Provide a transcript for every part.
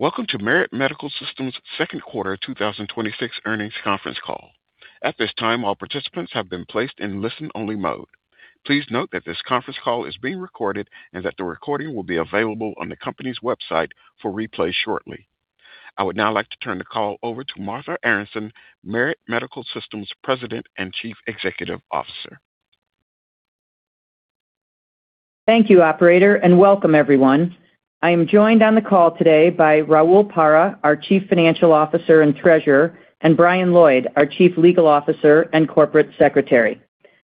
Welcome to Merit Medical Systems second quarter 2026 earnings conference call. At this time, all participants have been placed in listen-only mode. Please note that this conference call is being recorded and that the recording will be available on the company's website for replay shortly. I would now like to turn the call over to Martha Aronson, Merit Medical Systems President and Chief Executive Officer. Thank you, operator. Welcome everyone. I am joined on the call today by Raul Parra, our Chief Financial Officer and Treasurer, and Brian Lloyd, our Chief Legal Officer and Corporate Secretary.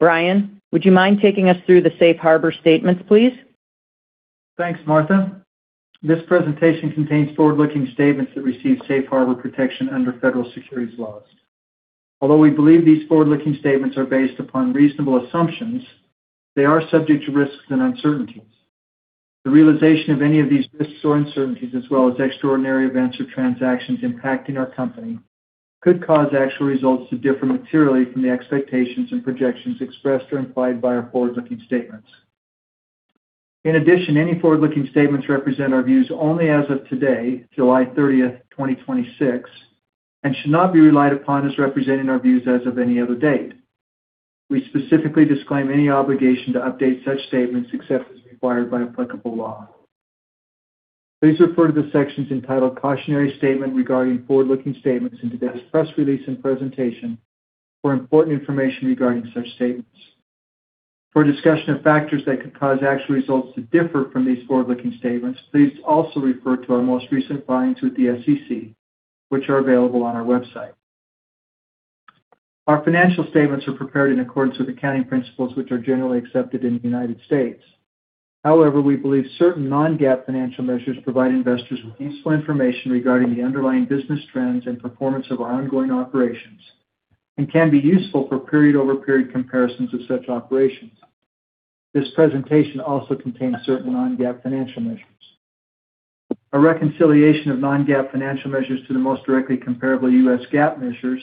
Brian, would you mind taking us through the safe harbor statements, please? Thanks, Martha. This presentation contains forward-looking statements that receive safe harbor protection under federal securities laws. Although we believe these forward-looking statements are based upon reasonable assumptions, they are subject to risks and uncertainties. The realization of any of these risks or uncertainties, as well as extraordinary events or transactions impacting our company, could cause actual results to differ materially from the expectations and projections expressed or implied by our forward-looking statements. In addition, any forward-looking statements represent our views only as of today, July 30th, 2026, and should not be relied upon as representing our views as of any other date. We specifically disclaim any obligation to update such statements except as required by applicable law. Please refer to the sections entitled "Cautionary Statement Regarding Forward-Looking Statements" in today's press release and presentation for important information regarding such statements. For a discussion of factors that could cause actual results to differ from these forward-looking statements, please also refer to our most recent filings with the SEC, which are available on our website. Our financial statements are prepared in accordance with accounting principles, which are generally accepted in the United States. However, we believe certain non-GAAP financial measures provide investors with useful information regarding the underlying business trends and performance of our ongoing operations and can be useful for period-over-period comparisons of such operations. This presentation also contains certain non-GAAP financial measures. A reconciliation of non-GAAP financial measures to the most directly comparable U.S. GAAP measures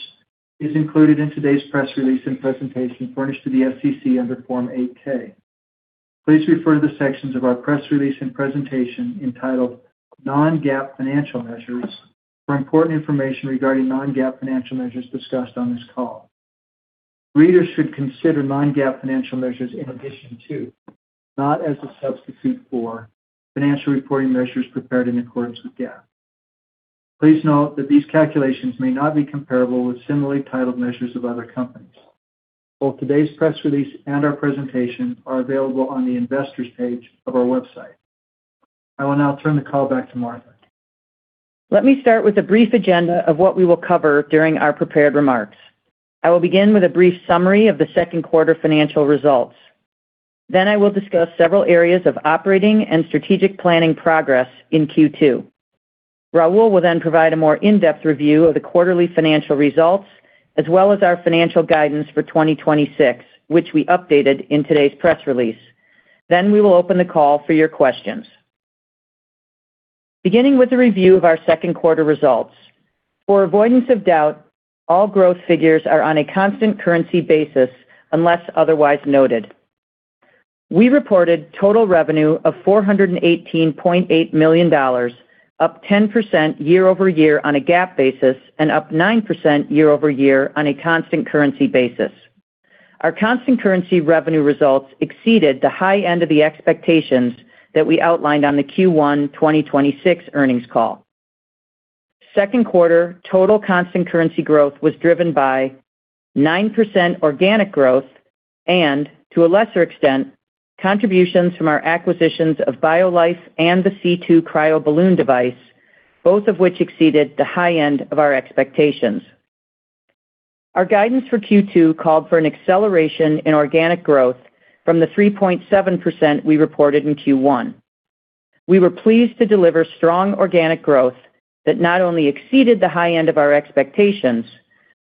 is included in today's press release and presentation furnished to the SEC under Form 8-K. Please refer to the sections of our press release and presentation entitled "Non-GAAP Financial Measures" for important information regarding non-GAAP financial measures discussed on this call. Readers should consider non-GAAP financial measures in addition to, not as a substitute for, financial reporting measures prepared in accordance with GAAP. Please note that these calculations may not be comparable with similarly titled measures of other companies. Both today's press release and our presentation are available on the investor's page of our website. I will now turn the call back to Martha. Let me start with a brief agenda of what we will cover during our prepared remarks. I will begin with a brief summary of the second quarter financial results. I will discuss several areas of operating and strategic planning progress in Q2. Raul will provide a more in-depth review of the quarterly financial results, as well as our financial guidance for 2026, which we updated in today's press release. We will open the call for your questions. Beginning with a review of our second quarter results. For avoidance of doubt, all growth figures are on a constant currency basis unless otherwise noted. We reported total revenue of $418.8 million, up 10% year-over-year on a GAAP basis and up 9% year-over-year on a constant currency basis. Our constant currency revenue results exceeded the high end of the expectations that we outlined on the Q1 2026 earnings call. Second quarter total constant currency growth was driven by 9% organic growth and, to a lesser extent, contributions from our acquisitions of BioLife and the C2 CryoBalloon device, both of which exceeded the high end of our expectations. Our guidance for Q2 called for an acceleration in organic growth from the 3.7% we reported in Q1. We were pleased to deliver strong organic growth that not only exceeded the high end of our expectations,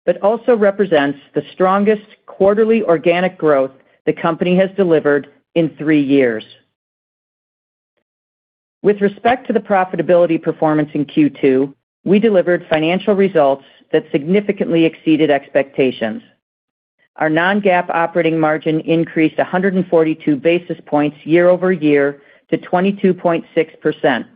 but also represents the strongest quarterly organic growth the company has delivered in three years. With respect to the profitability performance in Q2, we delivered financial results that significantly exceeded expectations. Our non-GAAP operating margin increased 142 basis points year-over-year to 22.6%.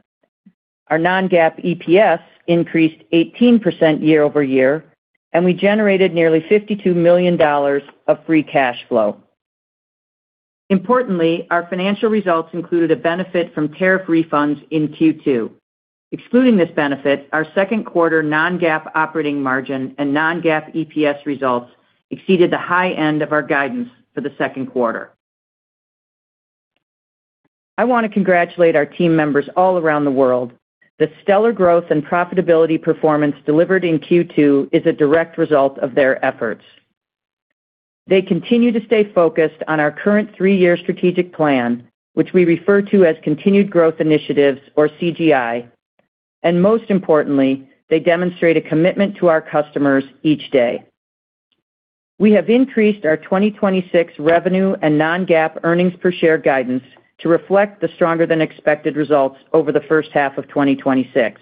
Our non-GAAP EPS increased 18% year-over-year, and we generated nearly $52 million of free cash flow. Importantly, our financial results included a benefit from tariff refunds in Q2. Excluding this benefit, our second quarter non-GAAP operating margin and non-GAAP EPS results exceeded the high end of our guidance for the second quarter. I want to congratulate our team members all around the world. The stellar growth and profitability performance delivered in Q2 is a direct result of their efforts. They continue to stay focused on our current three-year strategic plan, which we refer to as Continued Growth Initiatives or CGI, and most importantly, they demonstrate a commitment to our customers each day. We have increased our 2026 revenue and non-GAAP earnings per share guidance to reflect the stronger than expected results over the first half of 2026.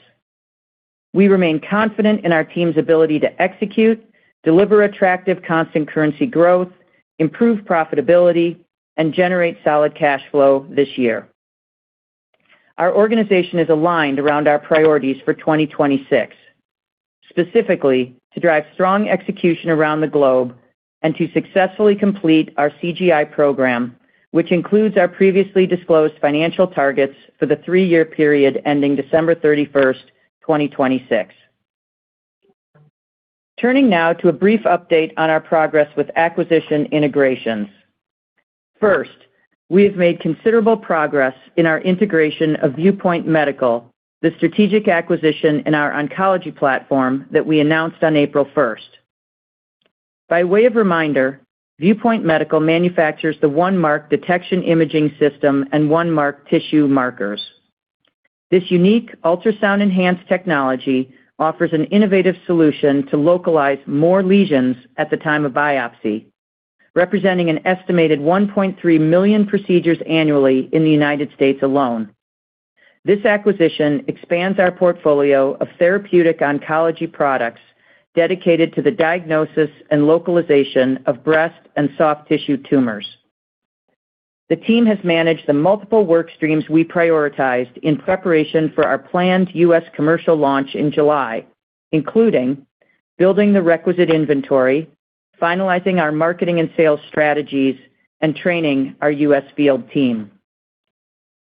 We remain confident in our team's ability to execute, deliver attractive constant currency growth, improve profitability, and generate solid cash flow this year. Our organization is aligned around our priorities for 2026, specifically to drive strong execution around the globe and to successfully complete our CGI program, which includes our previously disclosed financial targets for the three-year period ending December 31st, 2026. Turning now to a brief update on our progress with acquisition integrations. First, we have made considerable progress in our integration of View Point Medical, the strategic acquisition in our oncology platform that we announced on April 1st. By way of reminder, View Point Medical manufactures the OneMark Detection Imaging System and OneMark tissue markers. This unique ultrasound-enhanced technology offers an innovative solution to localize more lesions at the time of biopsy, representing an estimated 1.3 million procedures annually in the United States alone. This acquisition expands our portfolio of therapeutic oncology products dedicated to the diagnosis and localization of breast and soft tissue tumors. The team has managed the multiple work streams we prioritized in preparation for our planned U.S. commercial launch in July, including building the requisite inventory, finalizing our marketing and sales strategies, and training our U.S. field team.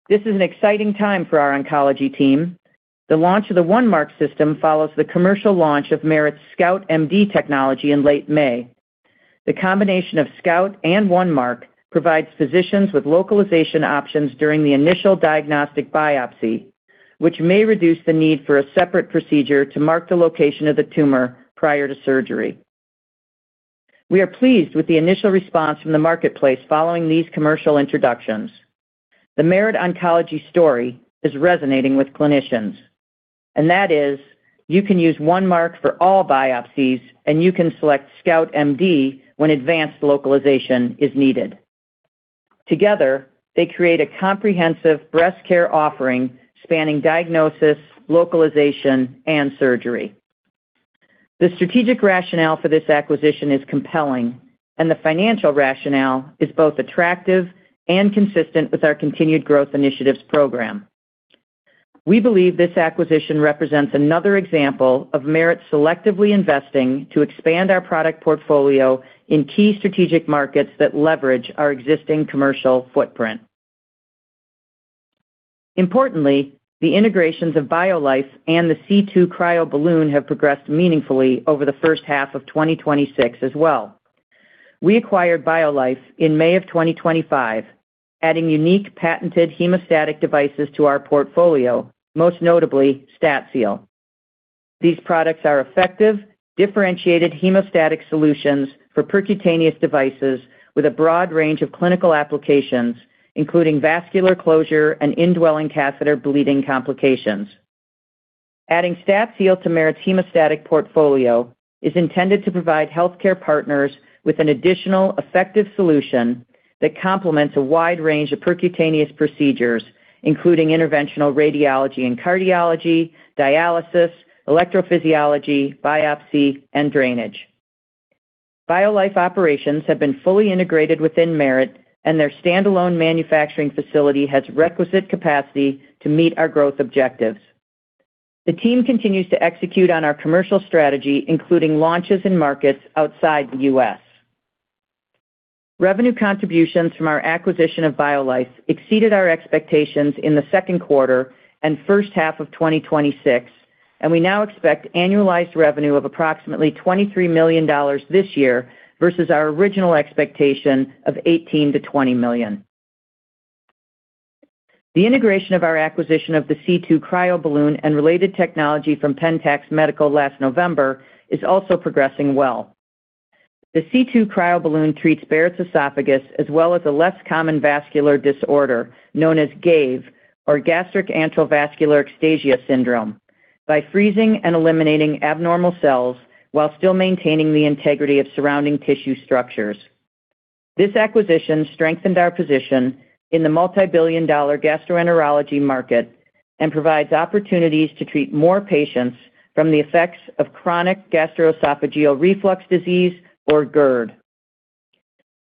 This is an exciting time for our oncology team. The launch of the OneMark system follows the commercial launch of Merit's SCOUT MD technology in late May. The combination of SCOUT and OneMark provides physicians with localization options during the initial diagnostic biopsy, which may reduce the need for a separate procedure to mark the location of the tumor prior to surgery. We are pleased with the initial response from the marketplace following these commercial introductions. The Merit Oncology story is resonating with clinicians. That is you can use OneMark for all biopsies, you can select SCOUT MD when advanced localization is needed. Together, they create a comprehensive breast care offering spanning diagnosis, localization, and surgery. The strategic rationale for this acquisition is compelling, and the financial rationale is both attractive and consistent with our Continued Growth Initiatives program. We believe this acquisition represents another example of Merit selectively investing to expand our product portfolio in key strategic markets that leverage our existing commercial footprint. Importantly, the integrations of BioLife and the C2 CryoBalloon have progressed meaningfully over the first half of 2026 as well. We acquired BioLife in May of 2025, adding unique patented hemostatic devices to our portfolio, most notably StatSeal. These products are effective, differentiated hemostatic solutions for percutaneous devices with a broad range of clinical applications, including vascular closure and indwelling catheter bleeding complications. Adding StatSeal to Merit's hemostatic portfolio is intended to provide healthcare partners with an additional effective solution that complements a wide range of percutaneous procedures, including interventional radiology and cardiology, dialysis, electrophysiology, biopsy, and drainage. BioLife operations have been fully integrated within Merit, and their standalone manufacturing facility has requisite capacity to meet our growth objectives. The team continues to execute on our commercial strategy, including launches in markets outside the U.S. Revenue contributions from our acquisition of BioLife exceeded our expectations in the second quarter and first half of 2026, and we now expect annualized revenue of approximately $23 million this year versus our original expectation of $18 million-$20 million. The integration of our acquisition of the C2 CryoBalloon and related technology from PENTAX Medical last November is also progressing well. The C2 CryoBalloon treats Barrett's esophagus, as well as a less common vascular disorder known as GAVE, or gastric antral vascular ectasia syndrome, by freezing and eliminating abnormal cells while still maintaining the integrity of surrounding tissue structures. This acquisition strengthened our position in the multibillion-dollar gastroenterology market and provides opportunities to treat more patients from the effects of chronic gastroesophageal reflux disease, or GERD.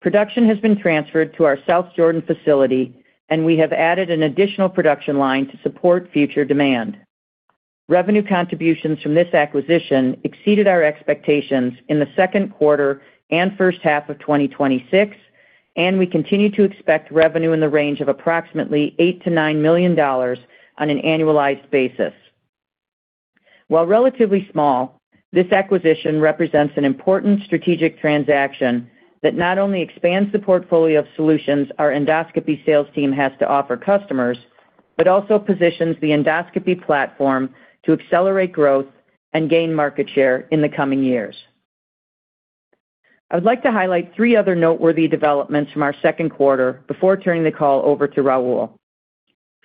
Production has been transferred to our South Jordan facility, and we have added an additional production line to support future demand. Revenue contributions from this acquisition exceeded our expectations in the second quarter and first half of 2026, and we continue to expect revenue in the range of approximately $8 million-$9 million on an annualized basis. While relatively small, this acquisition represents an important strategic transaction that not only expands the portfolio of solutions our Endoscopy sales team has to offer customers, but also positions the endoscopy platform to accelerate growth and gain market share in the coming years. I would like to highlight three other noteworthy developments from our second quarter before turning the call over to Raul.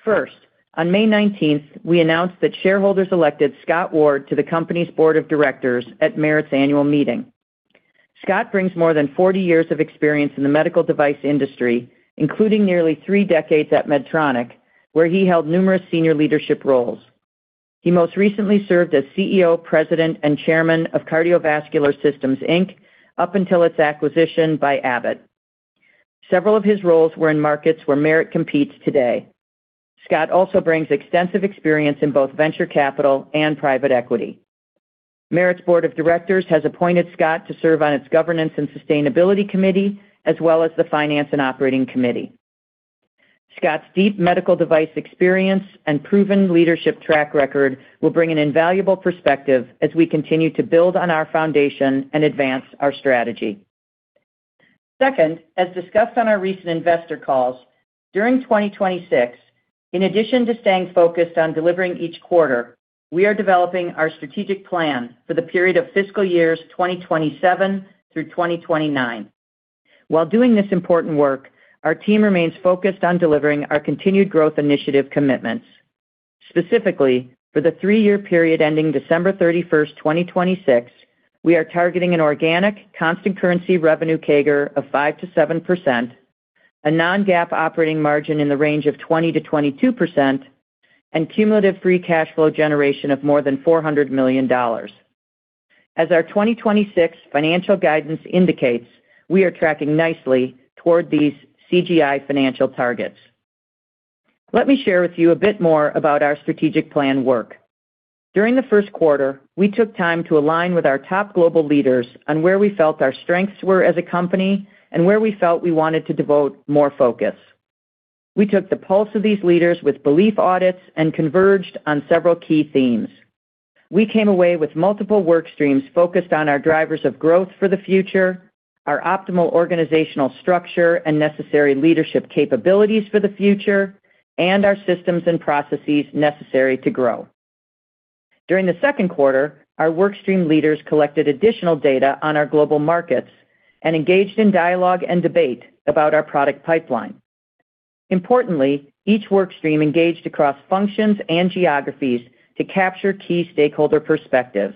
First, on May 19th, we announced that shareholders elected Scott Ward to the company's Board of Directors at Merit's annual meeting. Scott brings more than 40 years of experience in the medical device industry, including nearly three decades at Medtronic, where he held numerous senior leadership roles. He most recently served as CEO, President, and Chairman of Cardiovascular Systems, Inc, up until its acquisition by Abbott. Several of his roles were in markets where Merit competes today. Scott also brings extensive experience in both venture capital and private equity. Merit's board of directors has appointed Scott to serve on its Governance and Sustainability Committee, as well as the Finance and Operating Committee. Scott's deep medical device experience and proven leadership track record will bring an invaluable perspective as we continue to build on our foundation and advance our strategy. Second, as discussed on our recent investor calls, during 2026, in addition to staying focused on delivering each quarter, we are developing our strategic plan for the period of fiscal years 2027 through 2029. While doing this important work, our team remains focused on delivering our Continued Growth Initiatives commitments. Specifically, for the three-year period ending December 31st, 2026, we are targeting an organic constant currency revenue CAGR of 5%-7%, a non-GAAP operating margin in the range of 20%-22%, and cumulative free cash flow generation of more than $400 million. As our 2026 financial guidance indicates, we are tracking nicely toward these CGI financial targets. Let me share with you a bit more about our strategic plan work. During the first quarter, we took time to align with our top global leaders on where we felt our strengths were as a company and where we felt we wanted to devote more focus. We took the pulse of these leaders with belief audits and converged on several key themes. We came away with multiple workstreams focused on our drivers of growth for the future, our optimal organizational structure and necessary leadership capabilities for the future, and our systems and processes necessary to grow. During the second quarter, our workstream leaders collected additional data on our global markets and engaged in dialogue and debate about our product pipeline. Importantly, each workstream engaged across functions and geographies to capture key stakeholder perspectives.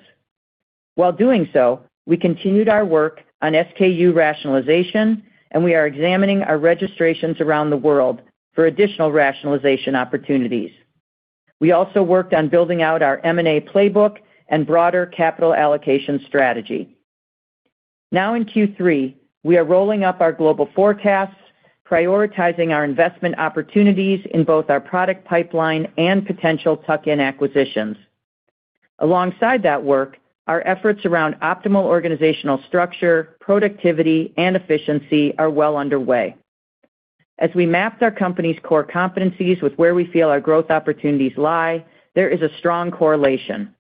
While doing so, we continued our work on SKU rationalization, and we are examining our registrations around the world for additional rationalization opportunities. We also worked on building out our M&A playbook and broader capital allocation strategy. In Q3, we are rolling up our global forecasts, prioritizing our investment opportunities in both our product pipeline and potential tuck-in acquisitions. Alongside that work, our efforts around optimal organizational structure, productivity, and efficiency are well underway. As we mapped our company's core competencies with where we feel our growth opportunities lie, there is a strong correlation.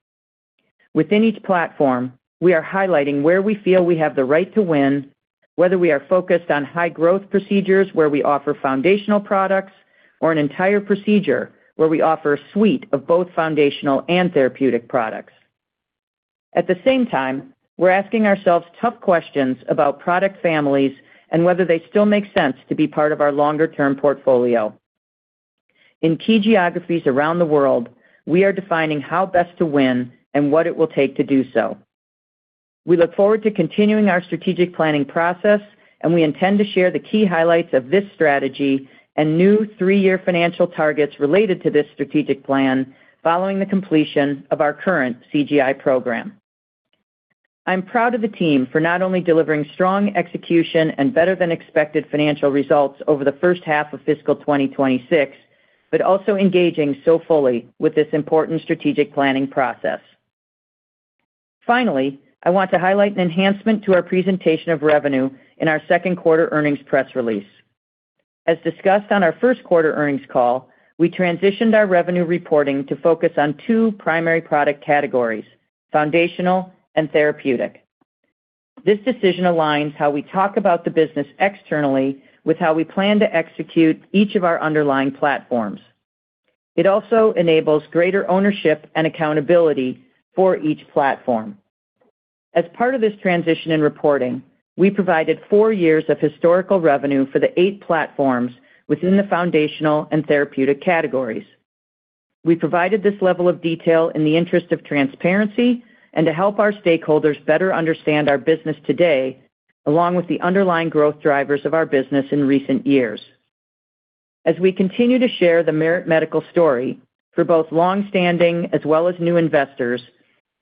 Within each platform, we are highlighting where we feel we have the right to win, whether we are focused on high-growth procedures where we offer foundational products, or an entire procedure where we offer a suite of both foundational and therapeutic products. At the same time, we're asking ourselves tough questions about product families and whether they still make sense to be part of our longer-term portfolio. In key geographies around the world, we are defining how best to win and what it will take to do so. We look forward to continuing our strategic planning process, and we intend to share the key highlights of this strategy and new three-year financial targets related to this strategic plan following the completion of our current CGI program. I'm proud of the team for not only delivering strong execution and better-than-expected financial results over the first half of fiscal 2026, but also engaging so fully with this important strategic planning process. Finally, I want to highlight an enhancement to our presentation of revenue in our second quarter earnings press release. As discussed on our first quarter earnings call, we transitioned our revenue reporting to focus on two primary product categories, Foundational and Therapeutic. This decision aligns how we talk about the business externally with how we plan to execute each of our underlying platforms. It also enables greater ownership and accountability for each platform. As part of this transition in reporting, we provided four years of historical revenue for the eight platforms within the Foundational and Therapeutic categories. We provided this level of detail in the interest of transparency and to help our stakeholders better understand our business today, along with the underlying growth drivers of our business in recent years. As we continue to share the Merit Medical story, for both long standing as well as new investors,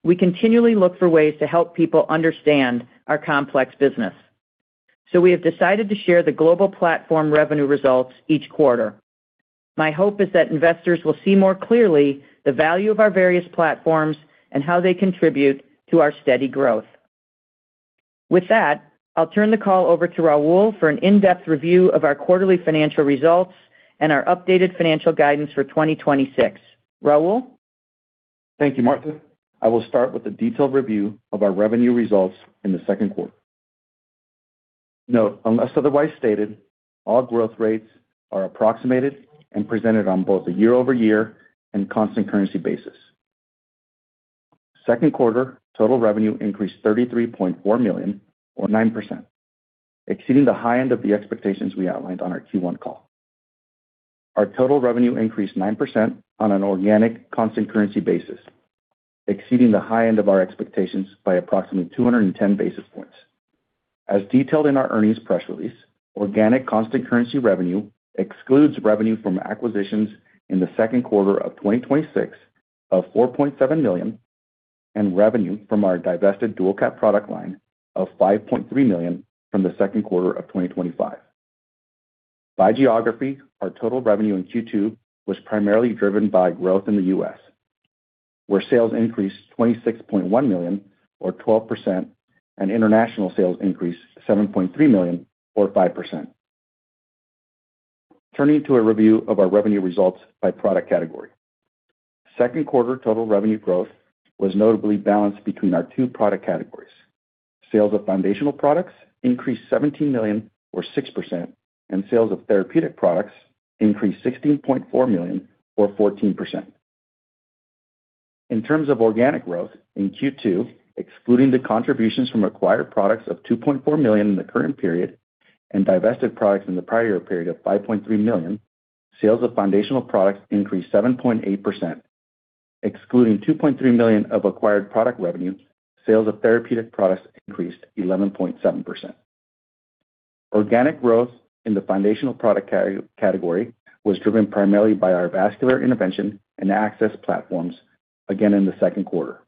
we continually look for ways to help people understand our complex business. We have decided to share the global platform revenue results each quarter. My hope is that investors will see more clearly the value of our various platforms and how they contribute to our steady growth. With that, I'll turn the call over to Raul for an in-depth review of our quarterly financial results and our updated financial guidance for 2026. Raul? Thank you, Martha. I will start with a detailed review of our revenue results in the second quarter. Note, unless otherwise stated, all growth rates are approximated and presented on both a year-over-year and constant currency basis. Second quarter total revenue increased $33.4 million or 9%, exceeding the high end of the expectations we outlined on our Q1 call. Our total revenue increased 9% on an organic constant currency basis, exceeding the high end of our expectations by approximately 210 basis points. As detailed in our earnings press release, organic constant currency revenue excludes revenue from acquisitions in the second quarter of 2026 of $4.7 million and revenue from our divested DualCap product line of $5.3 million from the second quarter of 2025. By geography, our total revenue in Q2 was primarily driven by growth in the U.S., where sales increased to $26.1 million, or 12%, and international sales increased $7.3 million or 5%. Turning to a review of our revenue results by product category. Second quarter total revenue growth was notably balanced between our two product categories. Sales of Foundational Products increased $17 million or 6%, and sales of Therapeutic Products increased $16.4 million or 14%. In terms of organic growth in Q2, excluding the contributions from acquired products of $2.4 million in the current period and divested products in the prior year period of $5.3 million, sales of Foundational Products increased 7.8%. Excluding $2.3 million of acquired product revenue, sales of Therapeutic Products increased 11.7%. Organic growth in the Foundational Product category was driven primarily by our vascular intervention and access platforms again in the second quarter.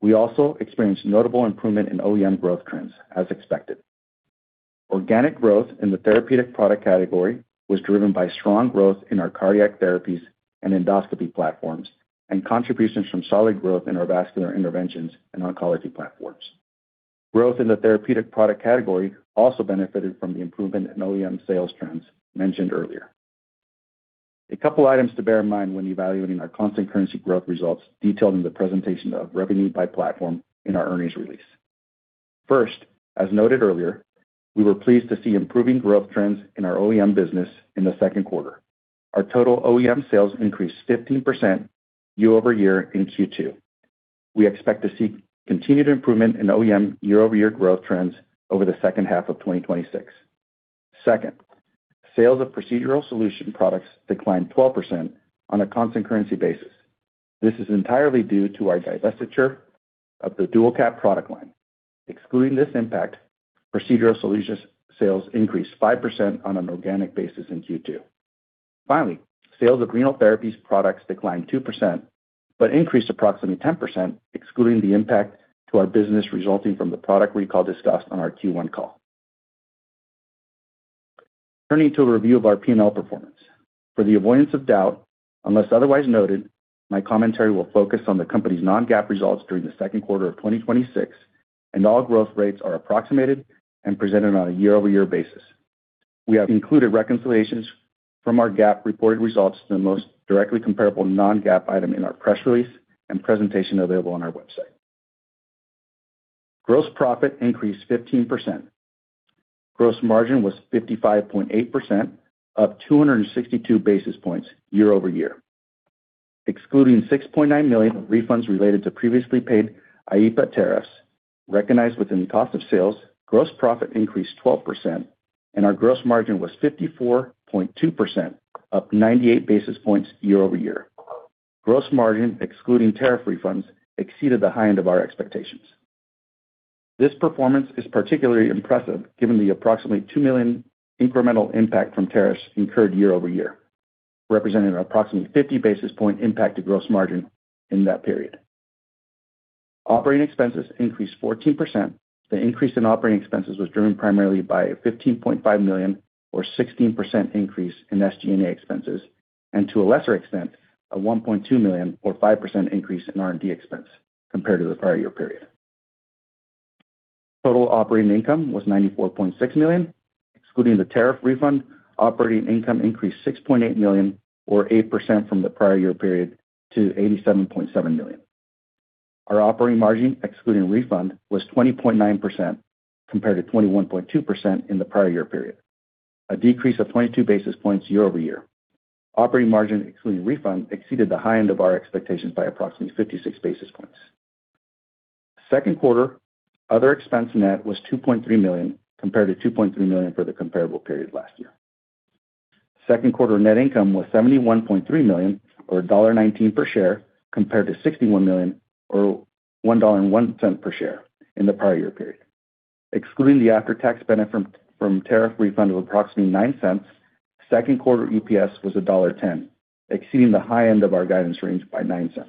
We also experienced notable improvement in OEM growth trends, as expected. Organic growth in the Therapeutic Product category was driven by strong growth in our cardiac therapies and endoscopy platforms, and contributions from solid growth in our vascular interventions and oncology platforms. Growth in the Therapeutic Product category also benefited from the improvement in OEM sales trends mentioned earlier. A couple items to bear in mind when evaluating our constant currency growth results detailed in the presentation of revenue by platform in our earnings release. First, as noted earlier, we were pleased to see improving growth trends in our OEM business in the second quarter. Our total OEM sales increased 15% year-over-year in Q2. We expect to see continued improvement in OEM year-over-year growth trends over the second half of 2026. Second, sales of procedural solution products declined 12% on a constant currency basis. This is entirely due to our divestiture of the DualCap product line. Excluding this impact, procedural solutions sales increased 5% on an organic basis in Q2. Finally, sales of renal therapies products declined 2%, but increased approximately 10%, excluding the impact to our business resulting from the product recall discussed on our Q1 call. Turning to a review of our P&L performance. For the avoidance of doubt, unless otherwise noted, my commentary will focus on the company's non-GAAP results during the second quarter of 2026, and all growth rates are approximated and presented on a year-over-year basis. We have included reconciliations from our GAAP reported results to the most directly comparable non-GAAP item in our press release and presentation available on our website. Gross profit increased 15%. Gross margin was 55.8%, up 262 basis points year-over-year. Excluding $6.9 million of refunds related to previously paid IEEPA tariffs recognized within cost of sales, gross profit increased 12% and our gross margin was 54.2%, up 98 basis points year-over-year. Gross margin, excluding tariff refunds, exceeded the high end of our expectations. This performance is particularly impressive given the approximately $2 million incremental impact from tariffs incurred year-over-year, representing an approximately 50 basis point impact to gross margin in that period. Operating expenses increased 14%. The increase in operating expenses was driven primarily by a $15.5 million or 16% increase in SG&A expenses, and to a lesser extent, a $1.2 million or 5% increase in R&D expense compared to the prior year period. Total operating income was $94.6 million. Excluding the tariff refund, operating income increased $6.8 million or 8% from the prior year period to $87.7 million. Our operating margin, excluding refund, was 20.9% compared to 21.2% in the prior year period, a decrease of 22 basis points year-over-year. Operating margin, excluding refund, exceeded the high end of our expectations by approximately 56 basis points. Second quarter other expense net was $2.3 million, compared to $2.3 million for the comparable period last year. Second quarter net income was $71.3 million, or $1.19 per share, compared to $61 million or $1.01 per share in the prior year period. Excluding the after-tax benefit from tariff refund of approximately $0.09, second quarter EPS was $1.10, exceeding the high end of our guidance range by $0.09.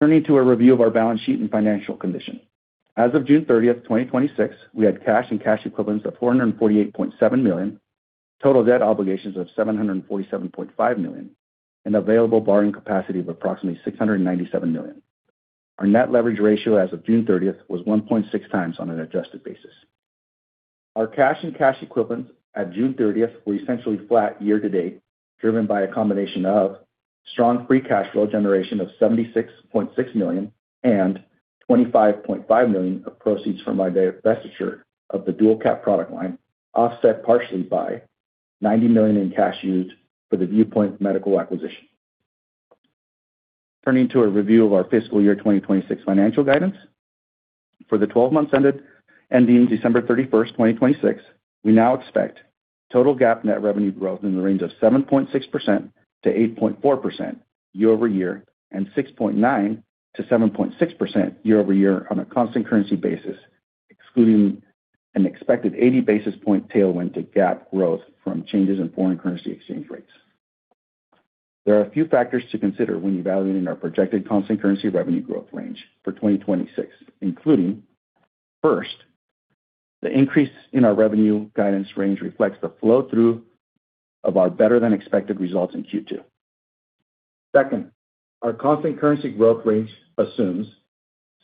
Turning to a review of our balance sheet and financial condition. As of June 30th, 2026, we had cash and cash equivalents of $448.7 million, total debt obligations of $747.5 million, and available borrowing capacity of approximately $697 million. Our net leverage ratio as of June 30th was 1.6x on an adjusted basis. Our cash and cash equivalents at June 30th were essentially flat year to date, driven by a combination of strong free cash flow generation of $76.6 million and $25.5 million of proceeds from our divestiture of the DualCap product line, offset partially by $90 million in cash used for the View Point Medical acquisition. Turning to a review of our fiscal year 2026 financial guidance. For the 12 months ending December 31st, 2026, we now expect total GAAP net revenue growth in the range of 7.6%-8.4% year-over-year, and 6.9%-7.6% year-over-year on a constant currency basis, excluding an expected 80 basis point tailwind to GAAP growth from changes in foreign currency exchange rates. There are a few factors to consider when evaluating our projected constant currency revenue growth range for 2026, including, first, the increase in our revenue guidance range reflects the flow-through of our better than expected results in Q2. Second, our constant currency growth range assumes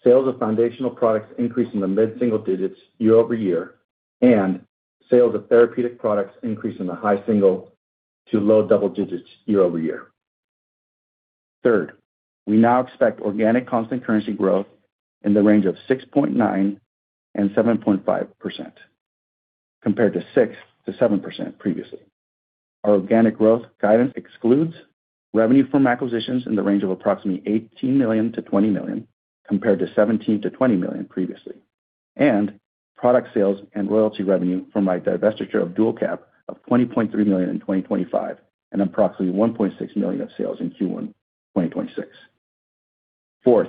sales of foundational products increase in the mid-single digits year-over-year, and sales of therapeutic products increase in the high single to low double digits year-over-year. Third, we now expect organic constant currency growth in the range of 6.9%-7.5%, compared to 6%-7% previously. Our organic growth guidance excludes revenue from acquisitions in the range of approximately $18 million-$20 million, compared to $17 million-$20 million previously, and product sales and royalty revenue from my divestiture of DualCap of $20.3 million in 2025 and approximately $1.6 million of sales in Q1 2026. Fourth,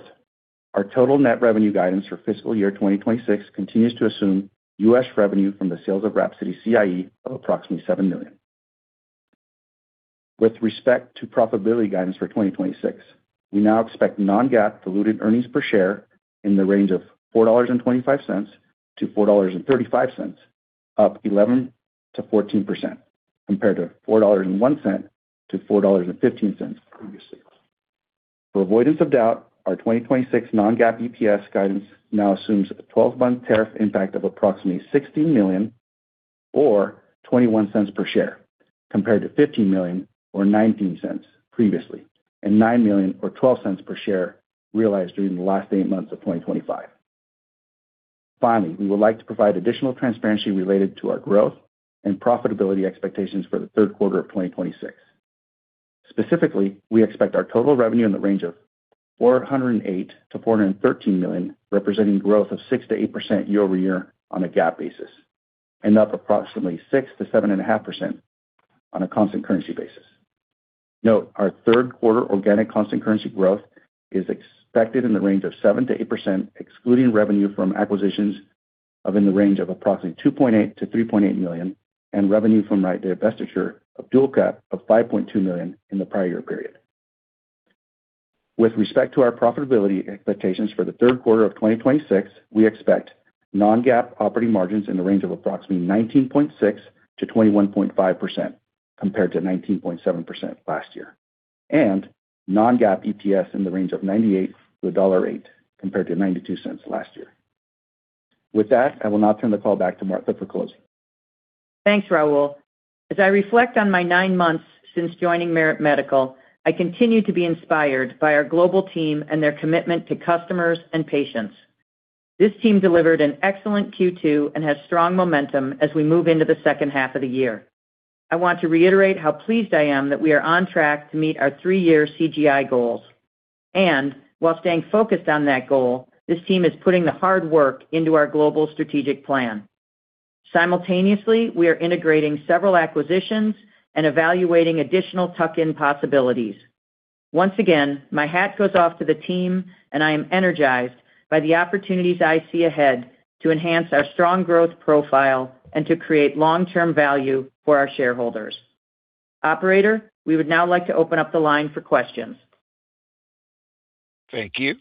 our total net revenue guidance for FY 2026 continues to assume U.S. revenue from the sales of WRAPSODY CIE of approximately $7 million. With respect to profitability guidance for 2026, we now expect non-GAAP diluted earnings per share in the range of $4.25-$4.35, up 11%-14%, compared to $4.01-$4.15 previously. For avoidance of doubt, our 2026 non-GAAP EPS guidance now assumes a 12-month tariff impact of approximately $16 million or $0.21 per share, compared to $15 million or $0.19 previously, and $9 million or $0.12 per share realized during the last 8 months of 2025. Finally, we would like to provide additional transparency related to our growth and profitability expectations for the third quarter of 2026. We expect our total revenue in the range of $408 million-$413 million, representing growth of 6%-8% year-over-year on a GAAP basis, and up approximately 6%-7.5% on a constant currency basis. Our third quarter organic constant currency growth is expected in the range of 7%-8%, excluding revenue from acquisitions of in the range of approximately $2.8 million-$3.8 million and revenue from the divestiture of DualCap of $5.2 million in the prior period. With respect to our profitability expectations for the third quarter of 2026, we expect non-GAAP operating margins in the range of approximately 19.6%-21.5%, compared to 19.7% last year. Non-GAAP EPS in the range of $0.98-$1.08, compared to $0.92 last year. With that, I will now turn the call back to Martha for closing. Thanks, Raul. As I reflect on my nine months since joining Merit Medical, I continue to be inspired by our global team and their commitment to customers and patients. This team delivered an excellent Q2 and has strong momentum as we move into the second half of the year. I want to reiterate how pleased I am that we are on track to meet our three-year CGI goals. While staying focused on that goal, this team is putting the hard work into our global strategic plan. Simultaneously, we are integrating several acquisitions and evaluating additional tuck-in possibilities. My hat goes off to the team, and I am energized by the opportunities I see ahead to enhance our strong growth profile and to create long-term value for our shareholders. Operator, we would now like to open up the line for questions. Thank you.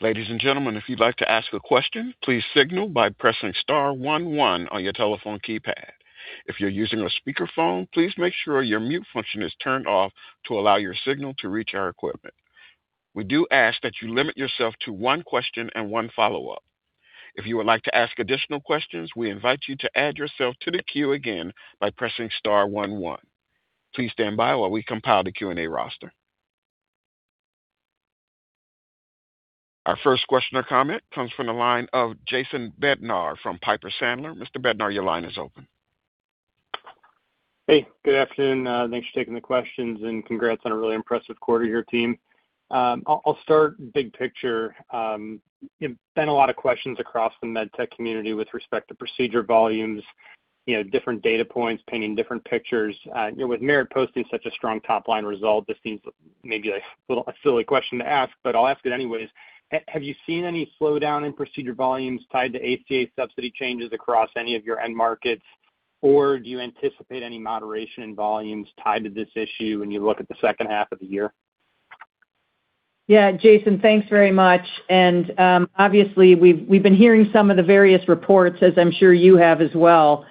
Ladies and gentlemen, if you'd like to ask a question, please signal by pressing star one one on your telephone keypad. If you're using a speakerphone, please make sure your mute function is turned off to allow your signal to reach our equipment. We do ask that you limit yourself to one question and one follow-up. If you would like to ask additional questions, we invite you to add yourself to the queue again by pressing star one one. Please stand by while we compile the Q and A roster. Our first question or comment comes from the line of Jason Bednar from Piper Sandler. Mr. Bednar, your line is open. Hey. Good afternoon. Thanks for taking the questions. Congrats on a really impressive quarter, your team. I'll start big picture. There have been a lot of questions across the medtech community with respect to procedure volumes, different data points painting different pictures. With Merit posting such a strong top-line result, this seems maybe a silly question to ask, but I'll ask it anyways. Have you seen any slowdown in procedure volumes tied to ACA subsidy changes across any of your end markets? Do you anticipate any moderation in volumes tied to this issue when you look at the second half of the year? Yeah, Jason, thanks very much. Obviously, we've been hearing some of the various reports, as I'm sure you have as well.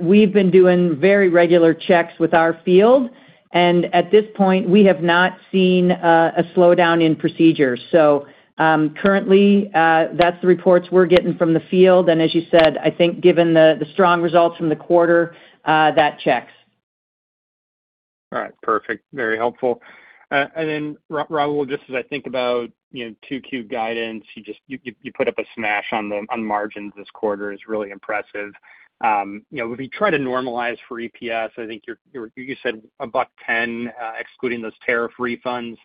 We've been doing very regular checks with our field. At this point, we have not seen a slowdown in procedures. Currently, that's the reports we're getting from the field. As you said, I think given the strong results from the quarter, that checks. All right, perfect. Very helpful. Raul, just as I think about 2Q guidance, you put up a smash on margins this quarter, it's really impressive. If you try to normalize for EPS, I think you said $1.10, excluding those tariff refunds.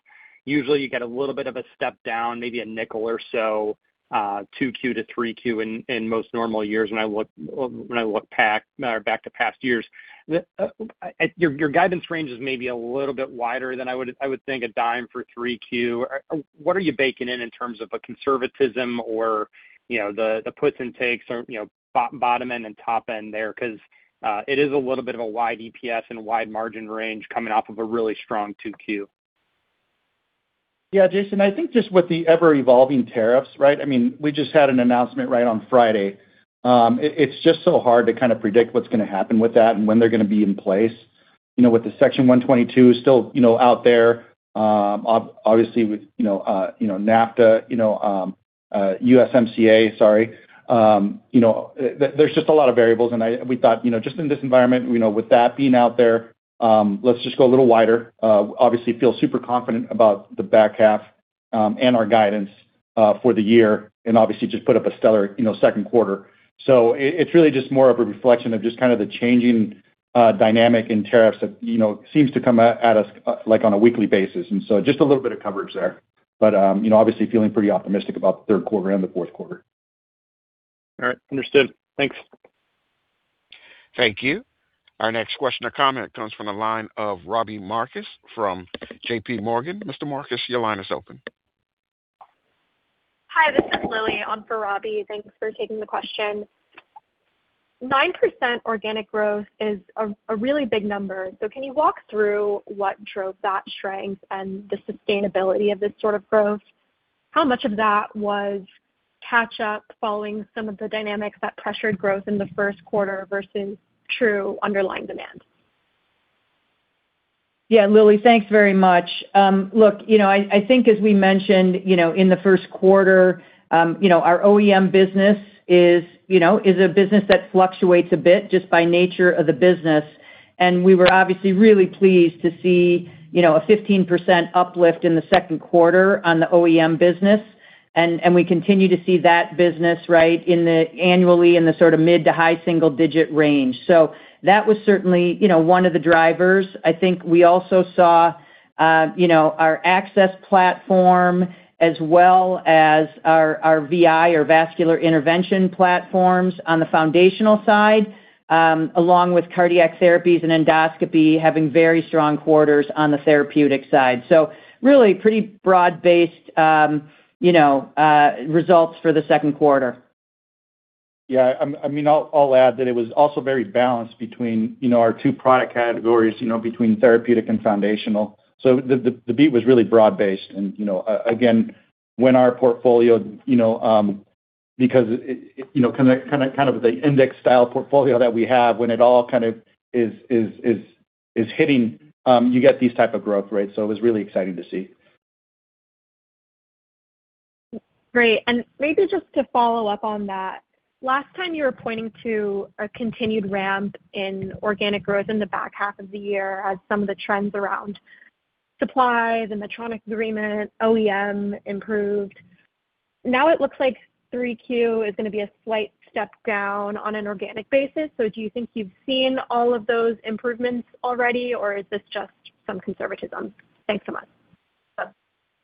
Usually you get a little bit of a step down, maybe a $0.05 or so, 2Q to 3Q in most normal years when I look back to past years. Your guidance range is maybe a little bit wider than I would think a $0.10 for 3Q. What are you baking in terms of a conservatism or the puts and takes or bottom end and top end there? It is a little bit of a wide EPS and wide margin range coming off of a really strong 2Q. Yeah, Jason, I think just with the ever-evolving tariffs, right? We just had an announcement on Friday. It's just so hard to predict what's going to happen with that and when they're going to be in place. With the Section 122 still out there, obviously with NAFTA, USMCA, sorry. There's just a lot of variables. We thought just in this environment, with that being out there, let's just go a little wider. Obviously feel super confident about the back half and our guidance for the year and obviously just put up a stellar second quarter. It's really just more of a reflection of just the changing dynamic in tariffs that seems to come at us on a weekly basis, so just a little bit of coverage there. Obviously feeling pretty optimistic about the third quarter and the fourth quarter. All right. Understood. Thanks. Thank you. Our next question or comment comes from the line of Robbie Marcus from JPMorgan. Mr. Marcus, your line is open. Hi, this is Lily on for Robbie. Thanks for taking the question. 9% organic growth is a really big number. Can you walk through what drove that strength and the sustainability of this sort of growth? How much of that was catch-up following some of the dynamics that pressured growth in the first quarter versus true underlying demand? Lily, thanks very much. Look, I think as we mentioned, in the first quarter, our OEM business is a business that fluctuates a bit just by nature of the business, and we were obviously really pleased to see a 15% uplift in the second quarter on the OEM business, and we continue to see that business right annually in the mid to high single-digit range. That was certainly one of the drivers. I think we also saw our access platform as well as our VI or vascular intervention platforms on the Foundational side, along with cardiac therapies and endoscopy having very strong quarters on the Therapeutic side. Really pretty broad-based results for the second quarter. Yeah. I'll add that it was also very balanced between our two product categories, between Therapeutic and Foundational. The beat was really broad-based and again, when our portfolio because kind of the index-style portfolio that we have, when it all is hitting, you get these type of growth rates. It was really exciting to see. Great. Maybe just to follow up on that, last time you were pointing to a continued ramp in organic growth in the back half of the year as some of the trends around supplies, Medtronic agreement, OEM, improved. Now it looks like 3Q is going to be a slight step down on an organic basis. Do you think you've seen all of those improvements already, or is this just some conservatism? Thanks so much.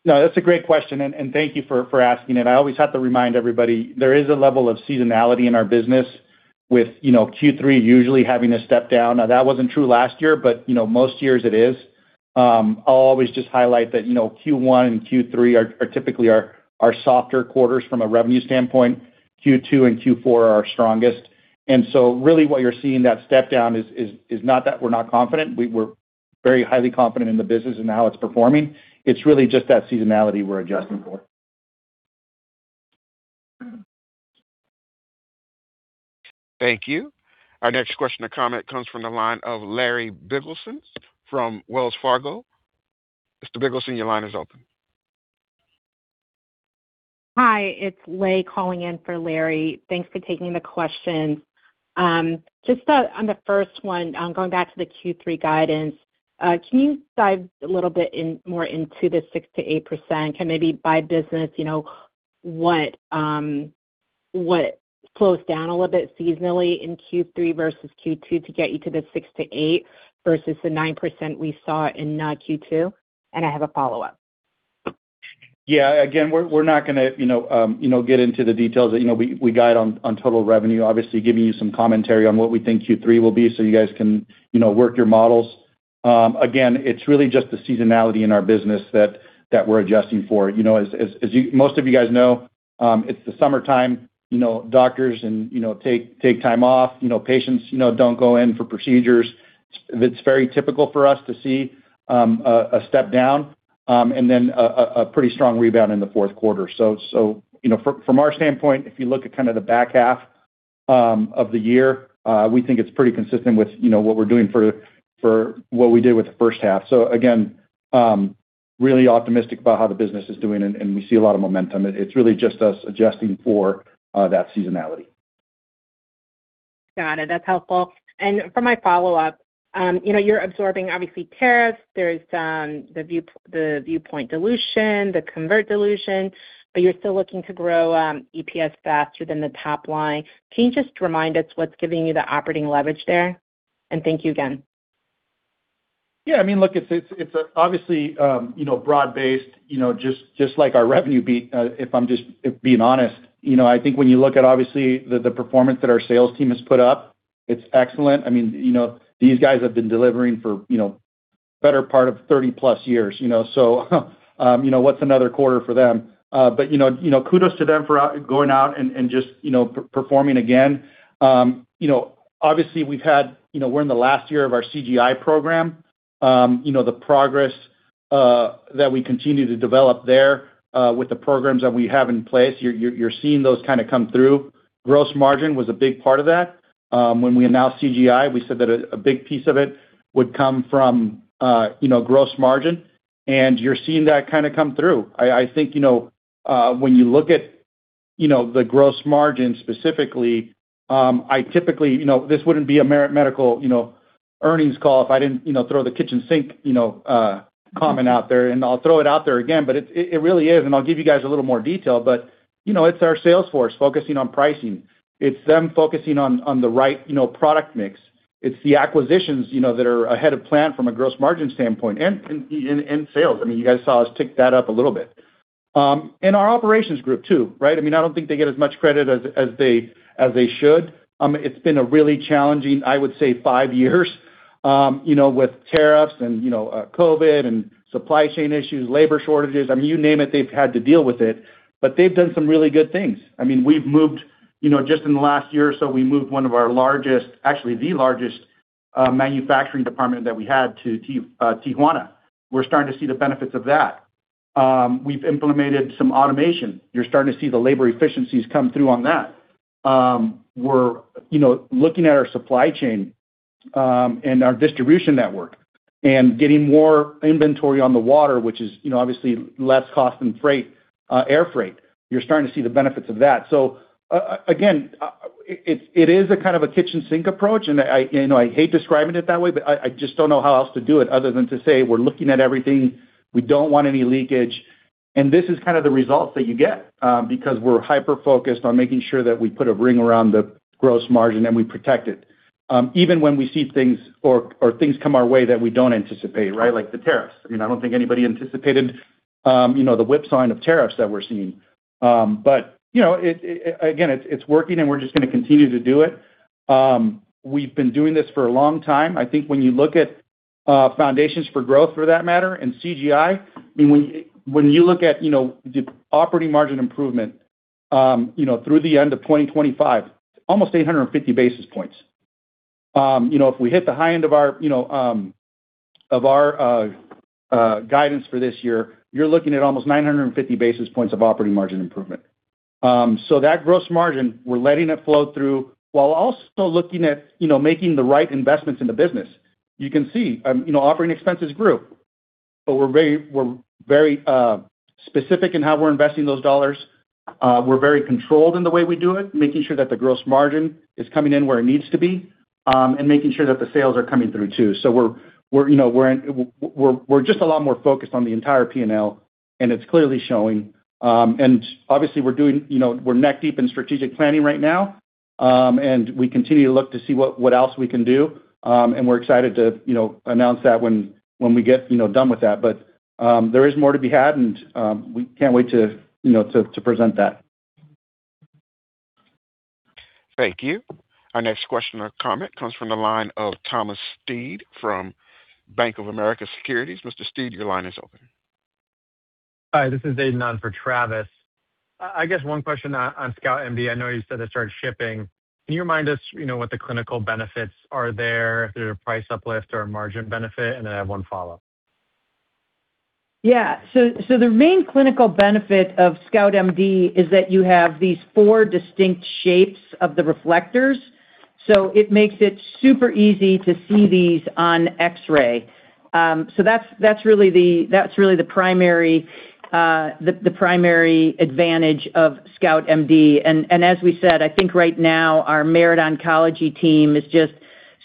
No, that's a great question, and thank you for asking it. I always have to remind everybody, there is a level of seasonality in our business with Q3 usually having a step down. Now, that wasn't true last year, but most years it is. I'll always just highlight that Q1 and Q3 are typically our softer quarters from a revenue standpoint. Q2 and Q4 are our strongest. Really what you're seeing, that step down is not that we're not confident. We're very highly confident in the business and how it's performing. It's really just that seasonality we're adjusting for. Thank you. Our next question or comment comes from the line of Larry Biegelsen from Wells Fargo. Mr. Biegelsen, your line is open. Hi, it's Lei calling in for Larry. Thanks for taking the question. On the first one, going back to the Q3 guidance, can you dive a little bit more into the 6%-8%? Maybe by business, what slows down a little bit seasonally in Q3 versus Q2 to get you to the 6%-8% versus the 9% we saw in Q2? I have a follow-up. Again, we're not going to get into the details. We guide on total revenue, obviously giving you some commentary on what we think Q3 will be so you guys can work your models. Again, it's really just the seasonality in our business that we're adjusting for. As most of you guys know, it's the summertime, doctors take time off, patients don't go in for procedures. It's very typical for us to see a step down, and then a pretty strong rebound in the fourth quarter. From our standpoint, if you look at kind of the back half of the year, we think it's pretty consistent with what we're doing for what we did with the first half. Again, really optimistic about how the business is doing, and we see a lot of momentum. It's really just us adjusting for that seasonality. Got it. That's helpful. For my follow-up, you're absorbing, obviously, tariffs. There's the View Point dilution, the convert dilution, but you're still looking to grow EPS faster than the top line. Can you just remind us what's giving you the operating leverage there? Thank you again. Look, it's obviously broad-based, just like our revenue beat, if I'm just being honest. I think when you look at, obviously, the performance that our sales team has put up, it's excellent. These guys have been delivering for better part of 30+ years, what's another quarter for them? Kudos to them for going out and just performing again. Obviously, we're in the last year of our CGI program. The progress that we continue to develop there, with the programs that we have in place, you're seeing those kind of come through. Gross margin was a big part of that. When we announced CGI, we said that a big piece of it would come from gross margin, and you're seeing that kind of come through. I think, when you look at the gross margin specifically, this wouldn't be a Merit Medical earnings call if I didn't throw the kitchen sink comment out there, and I'll throw it out there again. It really is, I'll give you guys a little more detail, but it's our sales force focusing on pricing. It's them focusing on the right product mix. It's the acquisitions that are ahead of plan from a gross margin standpoint and in sales. You guys saw us tick that up a little bit. Our operations group too, right? I don't think they get as much credit as they should. It's been a really challenging, I would say, five years with tariffs and COVID and supply chain issues, labor shortages. You name it, they've had to deal with it. They've done some really good things. Just in the last year or so, we moved one of our largest, actually, the largest manufacturing department that we had to Tijuana. We're starting to see the benefits of that. We've implemented some automation. You're starting to see the labor efficiencies come through on that. We're looking at our supply chain and our distribution network and getting more inventory on the water, which is obviously less cost than air freight. You're starting to see the benefits of that. Again, it is a kind of a kitchen sink approach, and I hate describing it that way, but I just don't know how else to do it other than to say we're looking at everything. We don't want any leakage. This is kind of the results that you get, because we're hyper-focused on making sure that we put a ring around the gross margin, and we protect it. Even when we see things or things come our way that we don't anticipate, like the tariffs. I don't think anybody anticipated the whipsaw of tariffs that we're seeing. Again, it's working, and we're just going to continue to do it. We've been doing this for a long time. I think when you look at Foundations for Growth for that matter in CGI, when you look at the operating margin improvement through the end of 2025, almost 850 basis points. If we hit the high end of our guidance for this year, you're looking at almost 950 basis points of operating margin improvement. That gross margin, we're letting it flow through while also looking at making the right investments in the business. You can see operating expenses grew, but we're very specific in how we're investing those dollars. We're very controlled in the way we do it, making sure that the gross margin is coming in where it needs to be, and making sure that the sales are coming through too. We're just a lot more focused on the entire P&L, and it's clearly showing. Obviously, we're neck deep in strategic planning right now. We continue to look to see what else we can do. We're excited to announce that when we get done with that. There is more to be had, and we can't wait to present that. Thank you. Our next question or comment comes from the line of Travis Steed from Bank of America Securities. Mr. Steed, your line is open. Hi, this is Aidan on for Travis. I guess one question on SCOUT MD. I know you said it started shipping. Can you remind us what the clinical benefits are there if there's a price uplift or a margin benefit? I have one follow-up. Yeah. The main clinical benefit of SCOUT MD is that you have these four distinct shapes of the reflectors. It makes it super easy to see these on X-ray. That's really the primary advantage of SCOUT MD. As we said, I think right now our Merit Oncology team is just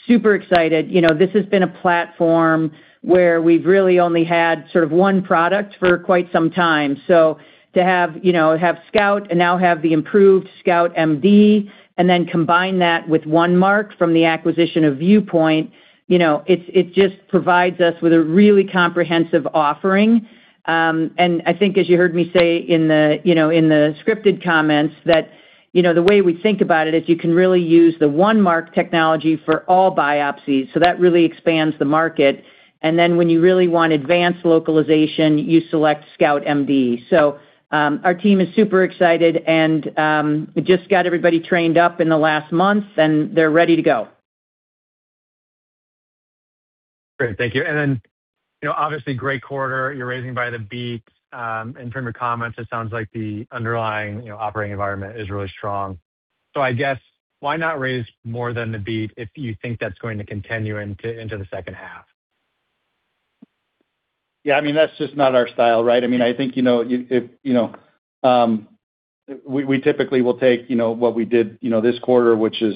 super excited. This has been a platform where we've really only had sort of one product for quite some time. To have SCOUT and now have the improved SCOUT MD and then combine that with OneMark from the acquisition of View Point, it just provides us with a really comprehensive offering. I think as you heard me say in the scripted comments that the way we think about it is you can really use the OneMark technology for all biopsies. That really expands the market. When you really want advanced localization, you select SCOUT MD. Our team is super excited and just got everybody trained up in the last month, and they're ready to go. Great. Thank you. Obviously, great quarter. You're raising by the beat. From your comments, it sounds like the underlying operating environment is really strong. I guess why not raise more than the beat if you think that's going to continue into the second half? Yeah, that's just not our style, right? I think we typically will take what we did this quarter, which is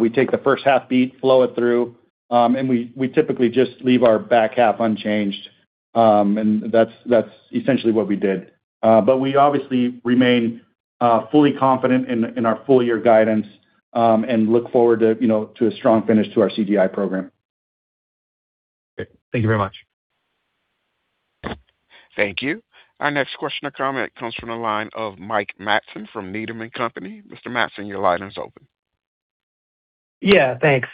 we take the first half beat, flow it through, and we typically just leave our back half unchanged. That's essentially what we did. We obviously remain fully confident in our full-year guidance and look forward to a strong finish to our CGI program. Great. Thank you very much. Thank you. Our next question or comment comes from the line of Mike Matson from Needham & Company. Mr. Matson, your line is open. Thanks.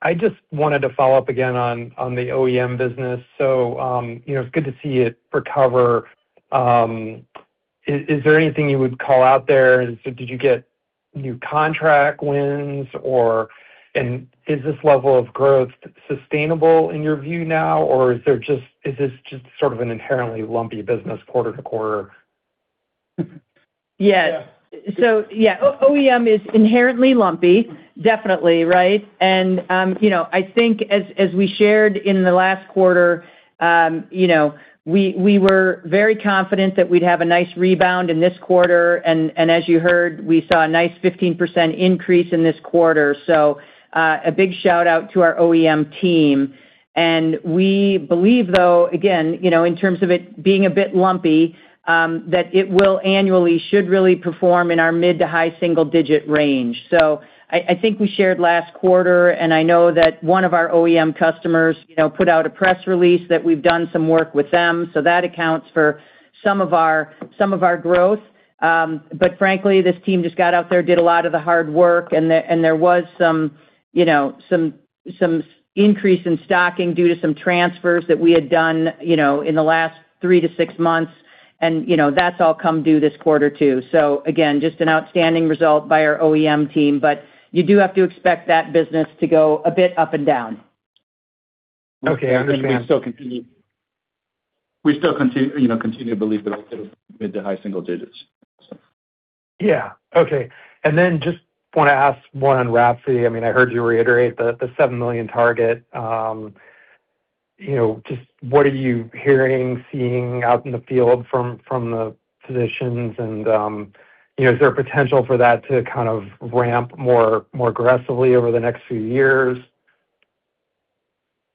I just wanted to follow up again on the OEM business. It's good to see it recover. Is there anything you would call out there? Did you get new contract wins, and is this level of growth sustainable in your view now, or is this just sort of an inherently lumpy business quarter to quarter? Yes. OEM is inherently lumpy, definitely, right? I think as we shared in the last quarter, we were very confident that we'd have a nice rebound in this quarter, and as you heard, we saw a nice 15% increase in this quarter. A big shout-out to our OEM team. We believe, though, again, in terms of it being a bit lumpy, that it will annually should really perform in our mid to high single-digit range. I think we shared last quarter, and I know that one of our OEM customers put out a press release that we've done some work with them, that accounts for some of our growth. Frankly, this team just got out there, did a lot of the hard work, and there was some increase in stocking due to some transfers that we had done in the last three to six months. That's all come due this quarter, too. Again, just an outstanding result by our OEM team, you do have to expect that business to go a bit up and down. Okay, I understand. We still continue to believe that it'll be mid to high single digits. Yeah. Okay. Just want to ask one on WRAPSODY. I heard you reiterate the $7 million target. Just what are you hearing, seeing out in the field from the physicians and is there a potential for that to kind of ramp more aggressively over the next few years?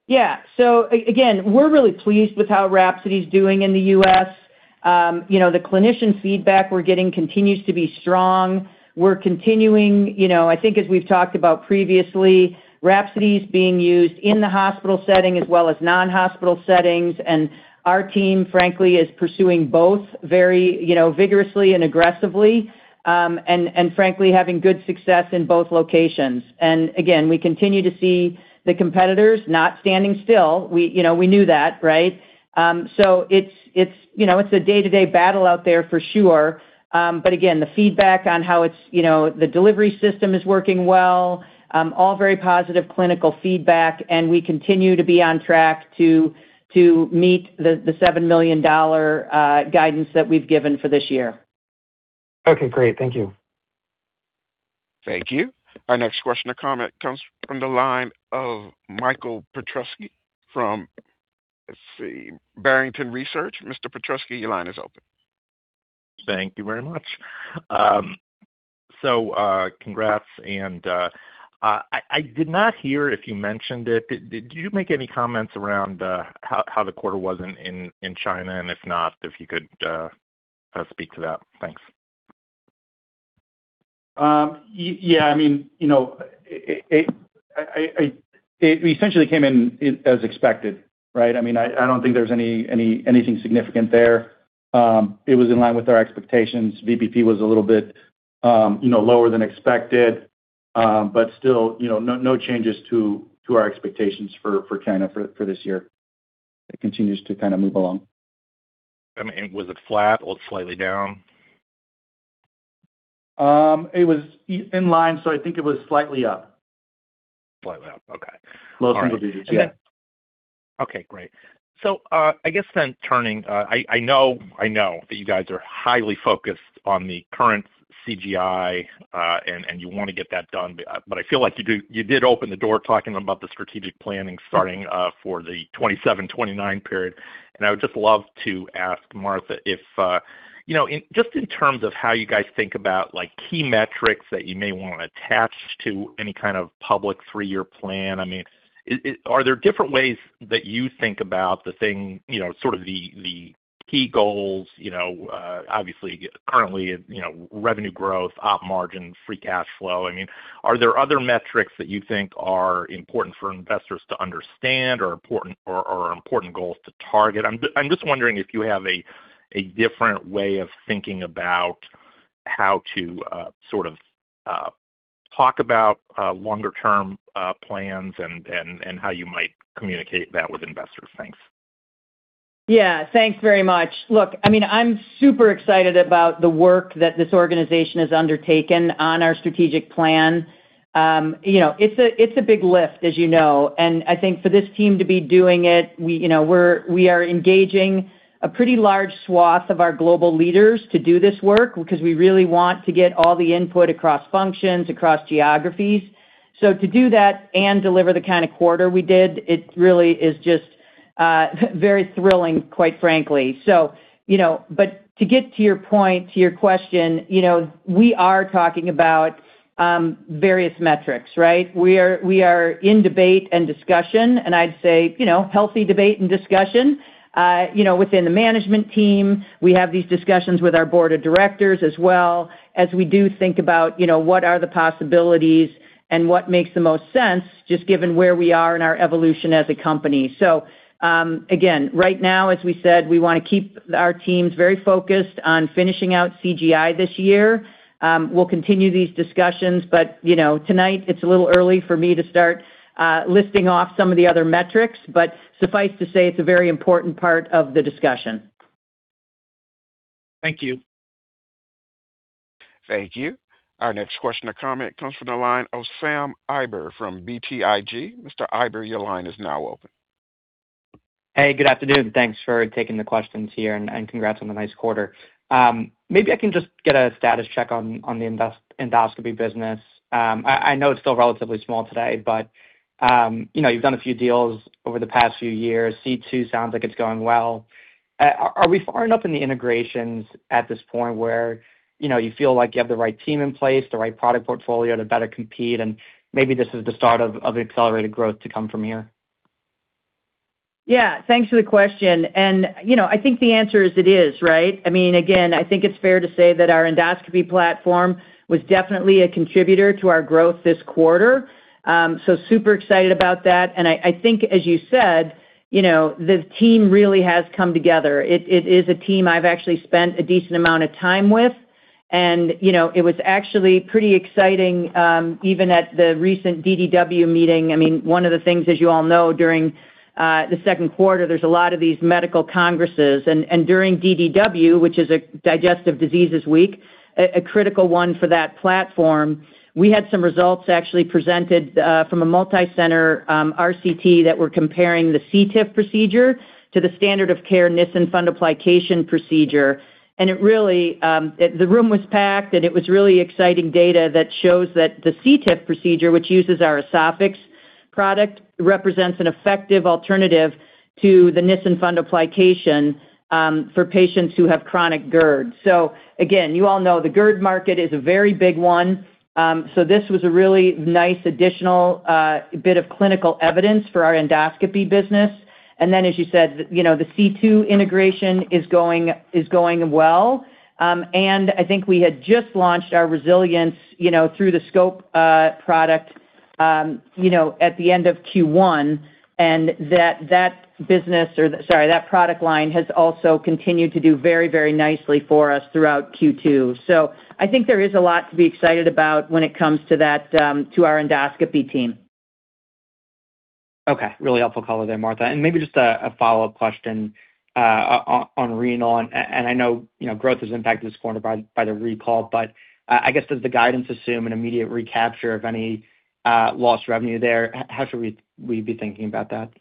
Yeah. Again, we're really pleased with how WRAPSODY's doing in the U.S. The clinician feedback we're getting continues to be strong. We're continuing, I think as we've talked about previously, WRAPSODY's being used in the hospital setting as well as non-hospital settings, and our team, frankly, is pursuing both very vigorously and aggressively, and frankly, having good success in both locations. Again, we continue to see the competitors not standing still. We knew that, right? It's a day-to-day battle out there for sure. Again, the feedback on how the delivery system is working well, all very positive clinical feedback, and we continue to be on track to meet the $7 million guidance that we've given for this year. Okay, great. Thank you. Thank you. Our next question or comment comes from the line of Michael Petusky from Barrington Research. Mr. Petusky, your line is open. Thank you very much. Congrats, I did not hear if you mentioned it. Did you make any comments around how the quarter was in China, if not, if you could speak to that. Thanks. It essentially came in as expected, right? I don't think there's anything significant there. It was in line with our expectations. VPP was a little bit lower than expected. Still, no changes to our expectations for China for this year. It continues to kind of move along. Was it flat or slightly down? It was in line, so I think it was slightly up. Slightly up. Okay. Low single digits. Yeah. Okay, great. I guess then turning, I know that you guys are highly focused on the current CGI, and you want to get that done, but I feel like you did open the door talking about the strategic planning starting for the 2027, 2029 period. I would just love to ask Martha if, just in terms of how you guys think about key metrics that you may want to attach to any kind of public three-year plan. Are there different ways that you think about the thing, sort of the key goals, obviously currently, revenue growth, op margin, free cash flow? Are there other metrics that you think are important for investors to understand or are important goals to target? I'm just wondering if you have a different way of thinking about how to sort of talk about longer-term plans and how you might communicate that with investors. Thanks. Yeah. Thanks very much. Look, I'm super excited about the work that this organization has undertaken on our strategic plan. It's a big lift, as you know, I think for this team to be doing it, we are engaging a pretty large swath of our global leaders to do this work because we really want to get all the input across functions, across geographies. To do that and deliver the kind of quarter we did, it really is just very thrilling, quite frankly. To get to your point, to your question, we are talking about various metrics, right? We are in debate and discussion, and I'd say healthy debate and discussion within the management team. We have these discussions with our board of directors as well, as we do think about what are the possibilities and what makes the most sense, just given where we are in our evolution as a company. Again, right now, as we said, we want to keep our teams very focused on finishing out CGI this year. We'll continue these discussions, tonight it's a little early for me to start listing off some of the other metrics, suffice to say, it's a very important part of the discussion. Thank you. Thank you. Our next question to comment comes from the line of Sam Eiber from BTIG. Mr. Eiber, your line is now open. Hey, good afternoon. Thanks for taking the questions here. Congrats on the nice quarter. Maybe I can just get a status check on the Endoscopy business. I know it's still relatively small today. You've done a few deals over the past few years. C2 sounds like it's going well. Are we far enough in the integrations at this point where you feel like you have the right team in place, the right product portfolio to better compete, and maybe this is the start of accelerated growth to come from here? Yeah, thanks for the question. I think the answer is it is. Again, I think it's fair to say that our endoscopy platform was definitely a contributor to our growth this quarter. Super excited about that. I think, as you said, the team really has come together. It is a team I've actually spent a decent amount of time with. It was actually pretty exciting, even at the recent DDW meeting. One of the things, as you all know, during the second quarter, there's a lot of these medical congresses. During DDW, which is Digestive Disease Week, a critical one for that platform, we had some results actually presented from a multi-center RCT that were comparing the cTIF procedure to the standard of care Nissen fundoplication procedure. The room was packed. It was really exciting data that shows that the cTIF procedure, which uses our EsophyX product, represents an effective alternative to the Nissen fundoplication for patients who have chronic GERD. Again, you all know the GERD market is a very big one. This was a really nice additional bit of clinical evidence for our Endoscopy business. As you said, the C2 integration is going well. I think we had just launched our Resilience through the scope product at the end of Q1. That product line has also continued to do very, very nicely for us throughout Q2. I think there is a lot to be excited about when it comes to our Endoscopy team. Okay. Really helpful color there, Martha. Maybe just a follow-up question on renal. I know growth is impacted this quarter by the recall. I guess does the guidance assume an immediate recapture of any lost revenue there? How should we be thinking about that?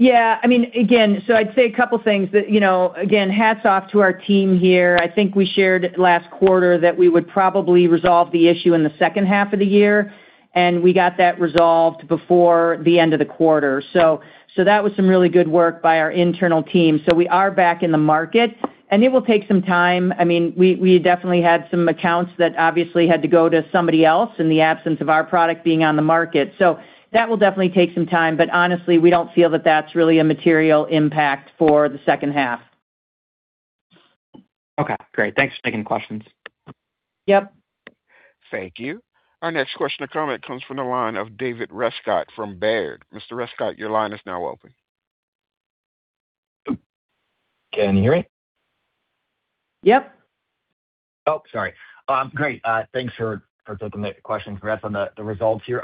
Yeah. I'd say a couple things. Again, hats off to our team here. I think we shared last quarter that we would probably resolve the issue in the second half of the year. We got that resolved before the end of the quarter. That was some really good work by our internal team. We are back in the market. It will take some time. We definitely had some accounts that obviously had to go to somebody else in the absence of our product being on the market. That will definitely take some time, but honestly, we don't feel that that's really a material impact for the second half. Okay, great. Thanks for taking the questions. Yep. Thank you. Our next question to comment comes from the line of David Rescott from Baird. Mr. Rescott, your line is now open. Can you hear me? Yep. Oh, sorry. Great. Thanks for taking the question. Congrats on the results here.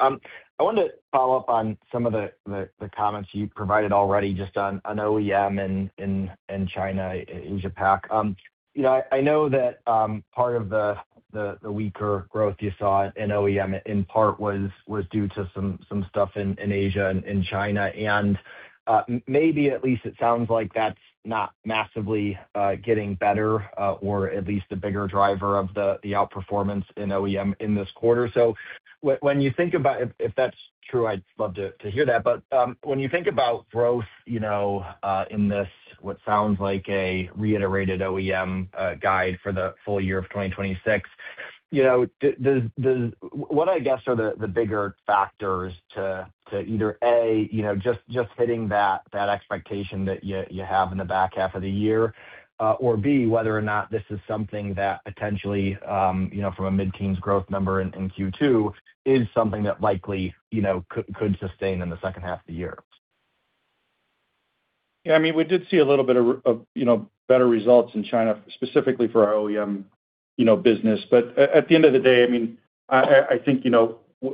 I wanted to follow up on some of the comments you provided already just on OEM in China, Asia Pac. I know that part of the weaker growth you saw in OEM in part was due to some stuff in Asia and China, and maybe at least it sounds like that's not massively getting better or at least a bigger driver of the outperformance in OEM in this quarter. When you think about, if that's true, I'd love to hear that. When you think about growth in this, what sounds like a reiterated OEM guide for the full year of 2026, what I guess are the bigger factors to either, A, just hitting that expectation that you have in the back half of the year, or B, whether or not this is something that potentially, from a mid-teens growth number in Q2, is something that likely could sustain in the second half of the year. Yeah, we did see a little bit of better results in China, specifically for our OEM business. At the end of the day,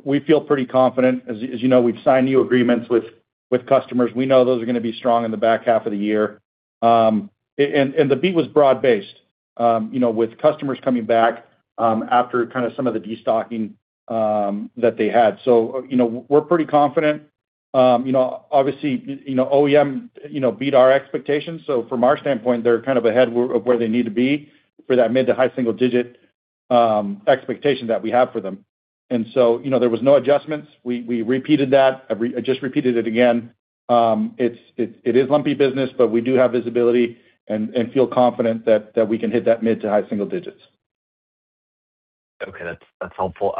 we feel pretty confident. As you know, we've signed new agreements with customers. We know those are going to be strong in the back half of the year. The beat was broad-based, with customers coming back after kind of some of the destocking that they had. We're pretty confident. Obviously, OEM beat our expectations. From our standpoint, they're kind of ahead of where they need to be for that mid to high single-digit expectation that we have for them. There was no adjustments. We repeated that. I just repeated it again. It is lumpy business, but we do have visibility and feel confident that we can hit that mid to high single digits. Okay. That's helpful.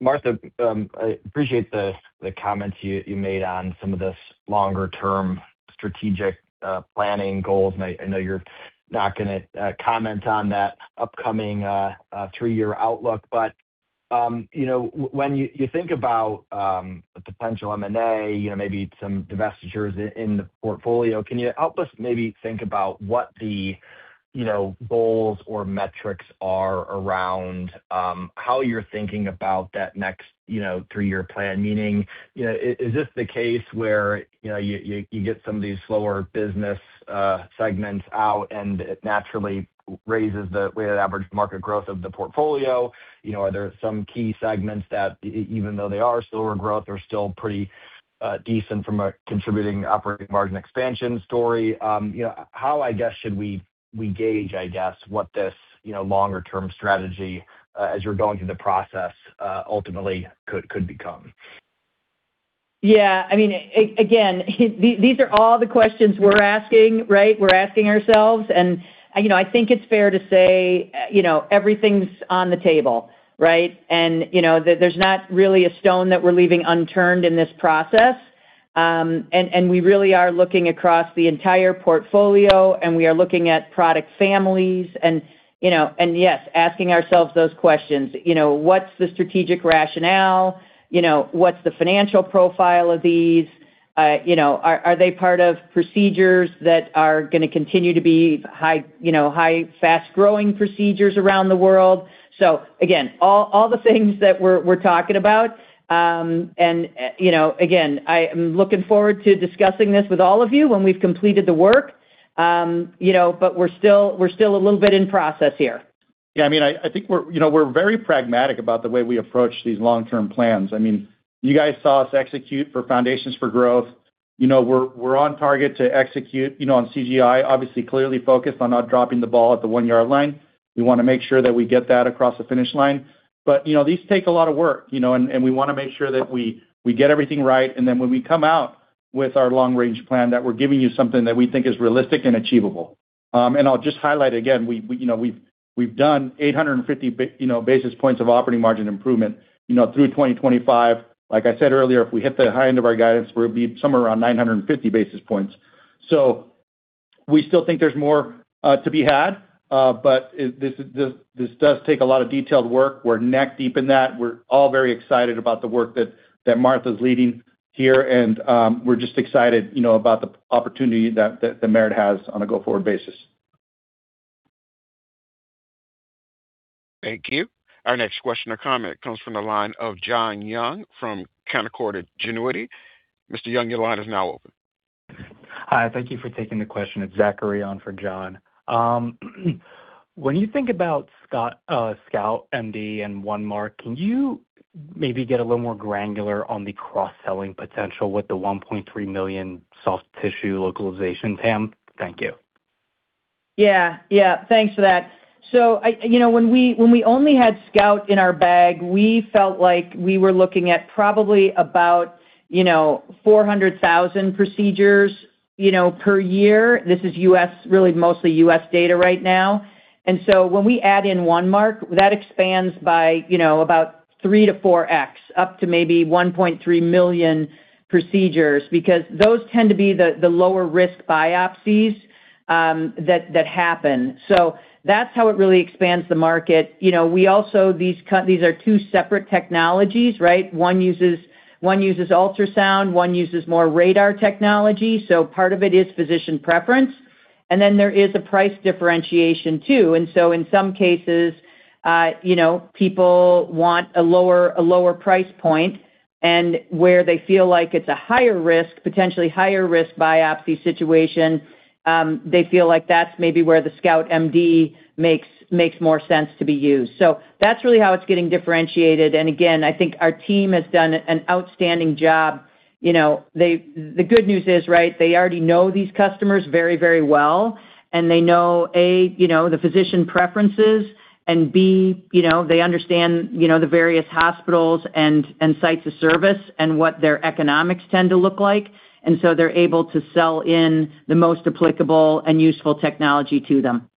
Martha, I appreciate the comments you made on some of the longer-term strategic planning goals. I know you're not going to comment on that upcoming three-year outlook, but when you think about potential M&A, maybe some divestitures in the portfolio, can you help us maybe think about what the goals or metrics are around how you're thinking about that next three-year plan? Meaning, is this the case where you get some of these slower business segments out and it naturally raises the weighted average market growth of the portfolio? Are there some key segments that, even though they are slower growth, are still pretty decent from a contributing operating margin expansion story? How should we gauge, I guess, what this longer-term strategy, as you're going through the process, ultimately could become? Yeah. These are all the questions we're asking, right? We're asking ourselves. I think it's fair to say everything's on the table, right? There's not really a stone that we're leaving unturned in this process. We really are looking across the entire portfolio, and we are looking at product families. Yes, asking ourselves those questions. What's the strategic rationale? What's the financial profile of these? Are they part of procedures that are going to continue to be high, fast-growing procedures around the world? Again, all the things that we're talking about. Again, I am looking forward to discussing this with all of you when we've completed the work. We're still a little bit in process here. Yeah, I think we're very pragmatic about the way we approach these long-term plans. You guys saw us execute for Foundations for Growth. We're on target to execute on CGI, obviously clearly focused on not dropping the ball at the one-yard line. We want to make sure that we get that across the finish line. These take a lot of work, and we want to make sure that we get everything right, and then when we come out with our long-range plan, that we're giving you something that we think is realistic and achievable. I'll just highlight again, we've done 850 basis points of operating margin improvement through 2025. Like I said earlier, if we hit the high end of our guidance, we'll be somewhere around 950 basis points. We still think there's more to be had. This does take a lot of detailed work. We're neck-deep in that. We're all very excited about the work that Martha's leading here, we're just excited about the opportunity that Merit has on a go-forward basis. Thank you. Our next question or comment comes from the line of John Young from Canaccord Genuity. Mr. Young, your line is now open. Hi, thank you for taking the question. It's Zachary on for John. When you think about SCOUT MD and OneMark, can you maybe get a little more granular on the cross-selling potential with the 1.3 million soft tissue localization TAM? Thank you. Yeah. Thanks for that. When we only had SCOUT in our bag, we felt like we were looking at probably about 400,000 procedures per year. This is really mostly U.S. data right now. When we add in OneMark, that expands by about 3x to 4x, up to maybe 1.3 million procedures, because those tend to be the lower-risk biopsies that happen. That's how it really expands the market. These are two separate technologies, right? One uses ultrasound, one uses more radar technology. Part of it is physician preference. There is a price differentiation, too. In some cases, people want a lower price point, and where they feel like it's a potentially higher-risk biopsy situation, they feel like that's maybe where the SCOUT MD makes more sense to be used. That's really how it's getting differentiated. Again, I think our team has done an outstanding job. The good news is, right, they already know these customers very well, and they know, A, the physician preferences, and B, they understand the various hospitals and sites of service and what their economics tend to look like. They're able to sell in the most applicable and useful technology to them.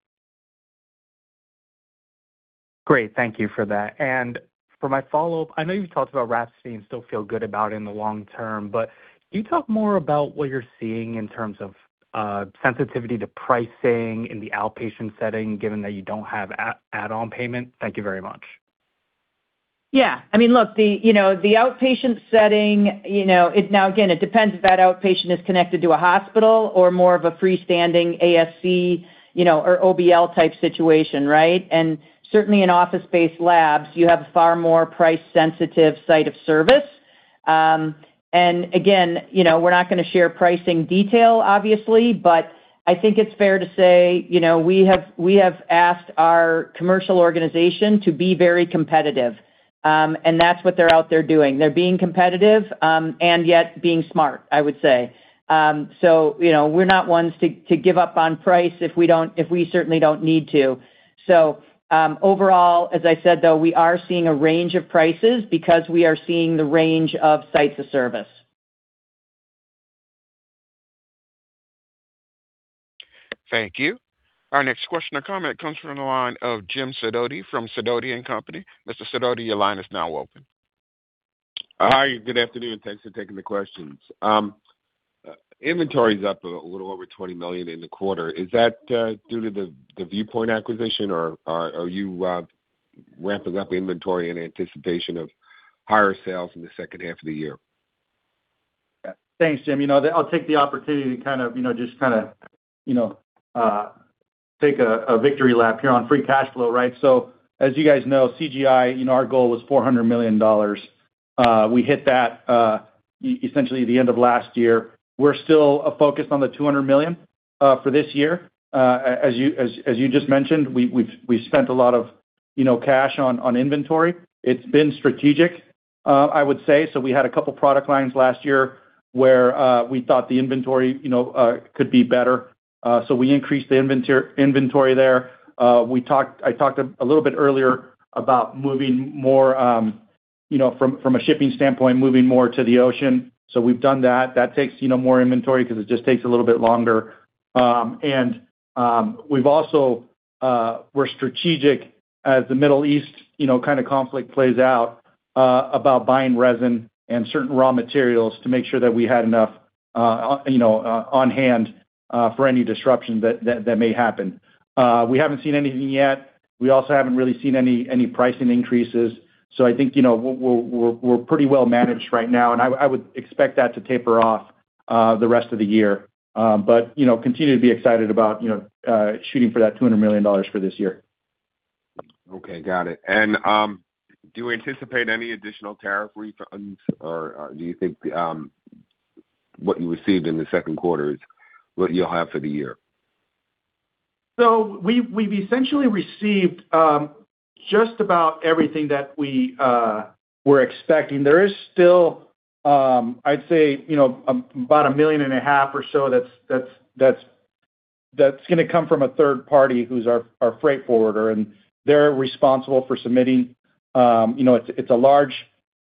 Great. Thank you for that. For my follow-up, I know you've talked about WRAPSODY still feel good about in the long term, can you talk more about what you're seeing in terms of sensitivity to pricing in the outpatient setting, given that you don't have add-on payment? Thank you very much. Yeah. Look, the outpatient setting, again, it depends if that outpatient is connected to a hospital or more of a freestanding ASC or OBL type situation, right? Certainly in office-based labs, you have a far more price-sensitive site of service. Again, we're not going to share pricing detail, obviously, but I think it's fair to say we have asked our commercial organization to be very competitive. That's what they're out there doing. They're being competitive, and yet being smart, I would say. We're not ones to give up on price if we certainly don't need to. Overall, as I said, though, we are seeing a range of prices because we are seeing the range of sites of service. Thank you. Our next question or comment comes from the line of Jim Sidoti from Sidoti & Company. Mr. Sidoti, your line is now open. Hi, good afternoon. Thanks for taking the questions. Inventory's up a little over $20 million in the quarter. Is that due to the View Point acquisition, or are you ramping up inventory in anticipation of higher sales in the second half of the year? Thanks, Jim. I'll take the opportunity to just kind of take a victory lap here on free cash flow, right? As you guys know, CGI, our goal was $400 million. We hit that essentially at the end of last year. We're still focused on the $200 million for this year. As you just mentioned, we've spent a lot of cash on inventory. It's been strategic, I would say. We had a couple product lines last year where we thought the inventory could be better. We increased the inventory there. I talked a little bit earlier about, from a shipping standpoint, moving more to the ocean. We've done that. That takes more inventory because it just takes a little bit longer. We're strategic as the Middle East kind of conflict plays out, about buying resin and certain raw materials to make sure that we had enough on-hand for any disruption that may happen. We haven't seen anything yet. We also haven't really seen any pricing increases. I think, we're pretty well managed right now, and I would expect that to taper off the rest of the year. Continue to be excited about shooting for that $200 million for this year. Okay, got it. Do you anticipate any additional tariff refunds, or do you think what you received in the second quarter is what you'll have for the year? We've essentially received just about everything that we were expecting. There is still, I'd say, about $1.5 million or so that's going to come from a third party who's our freight forwarder, and they're responsible for submitting. It's a large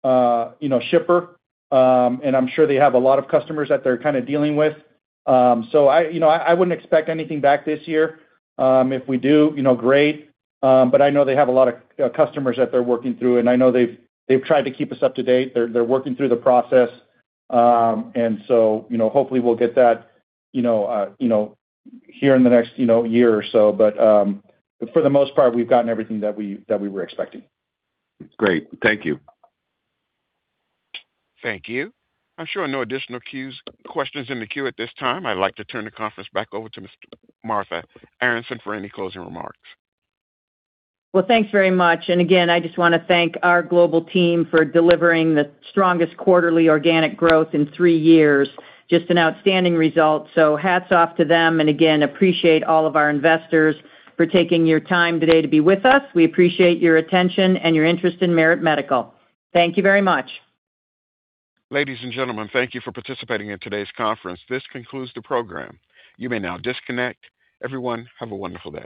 shipper, and I'm sure they have a lot of customers that they're kind of dealing with. I wouldn't expect anything back this year. If we do, great. I know they have a lot of customers that they're working through, and I know they've tried to keep us up to date. They're working through the process. Hopefully we'll get that here in the next year or so. For the most part, we've gotten everything that we were expecting. Great. Thank you. Thank you. I'm showing no additional questions in the queue at this time. I'd like to turn the conference back over to Ms. Martha Aronson for any closing remarks. Well, thanks very much. Again, I just want to thank our global team for delivering the strongest quarterly organic growth in three years. Just an outstanding result. Hats off to them. Again, appreciate all of our investors for taking your time today to be with us. We appreciate your attention and your interest in Merit Medical. Thank you very much. Ladies and gentlemen, thank you for participating in today's conference. This concludes the program. You may now disconnect. Everyone, have a wonderful day.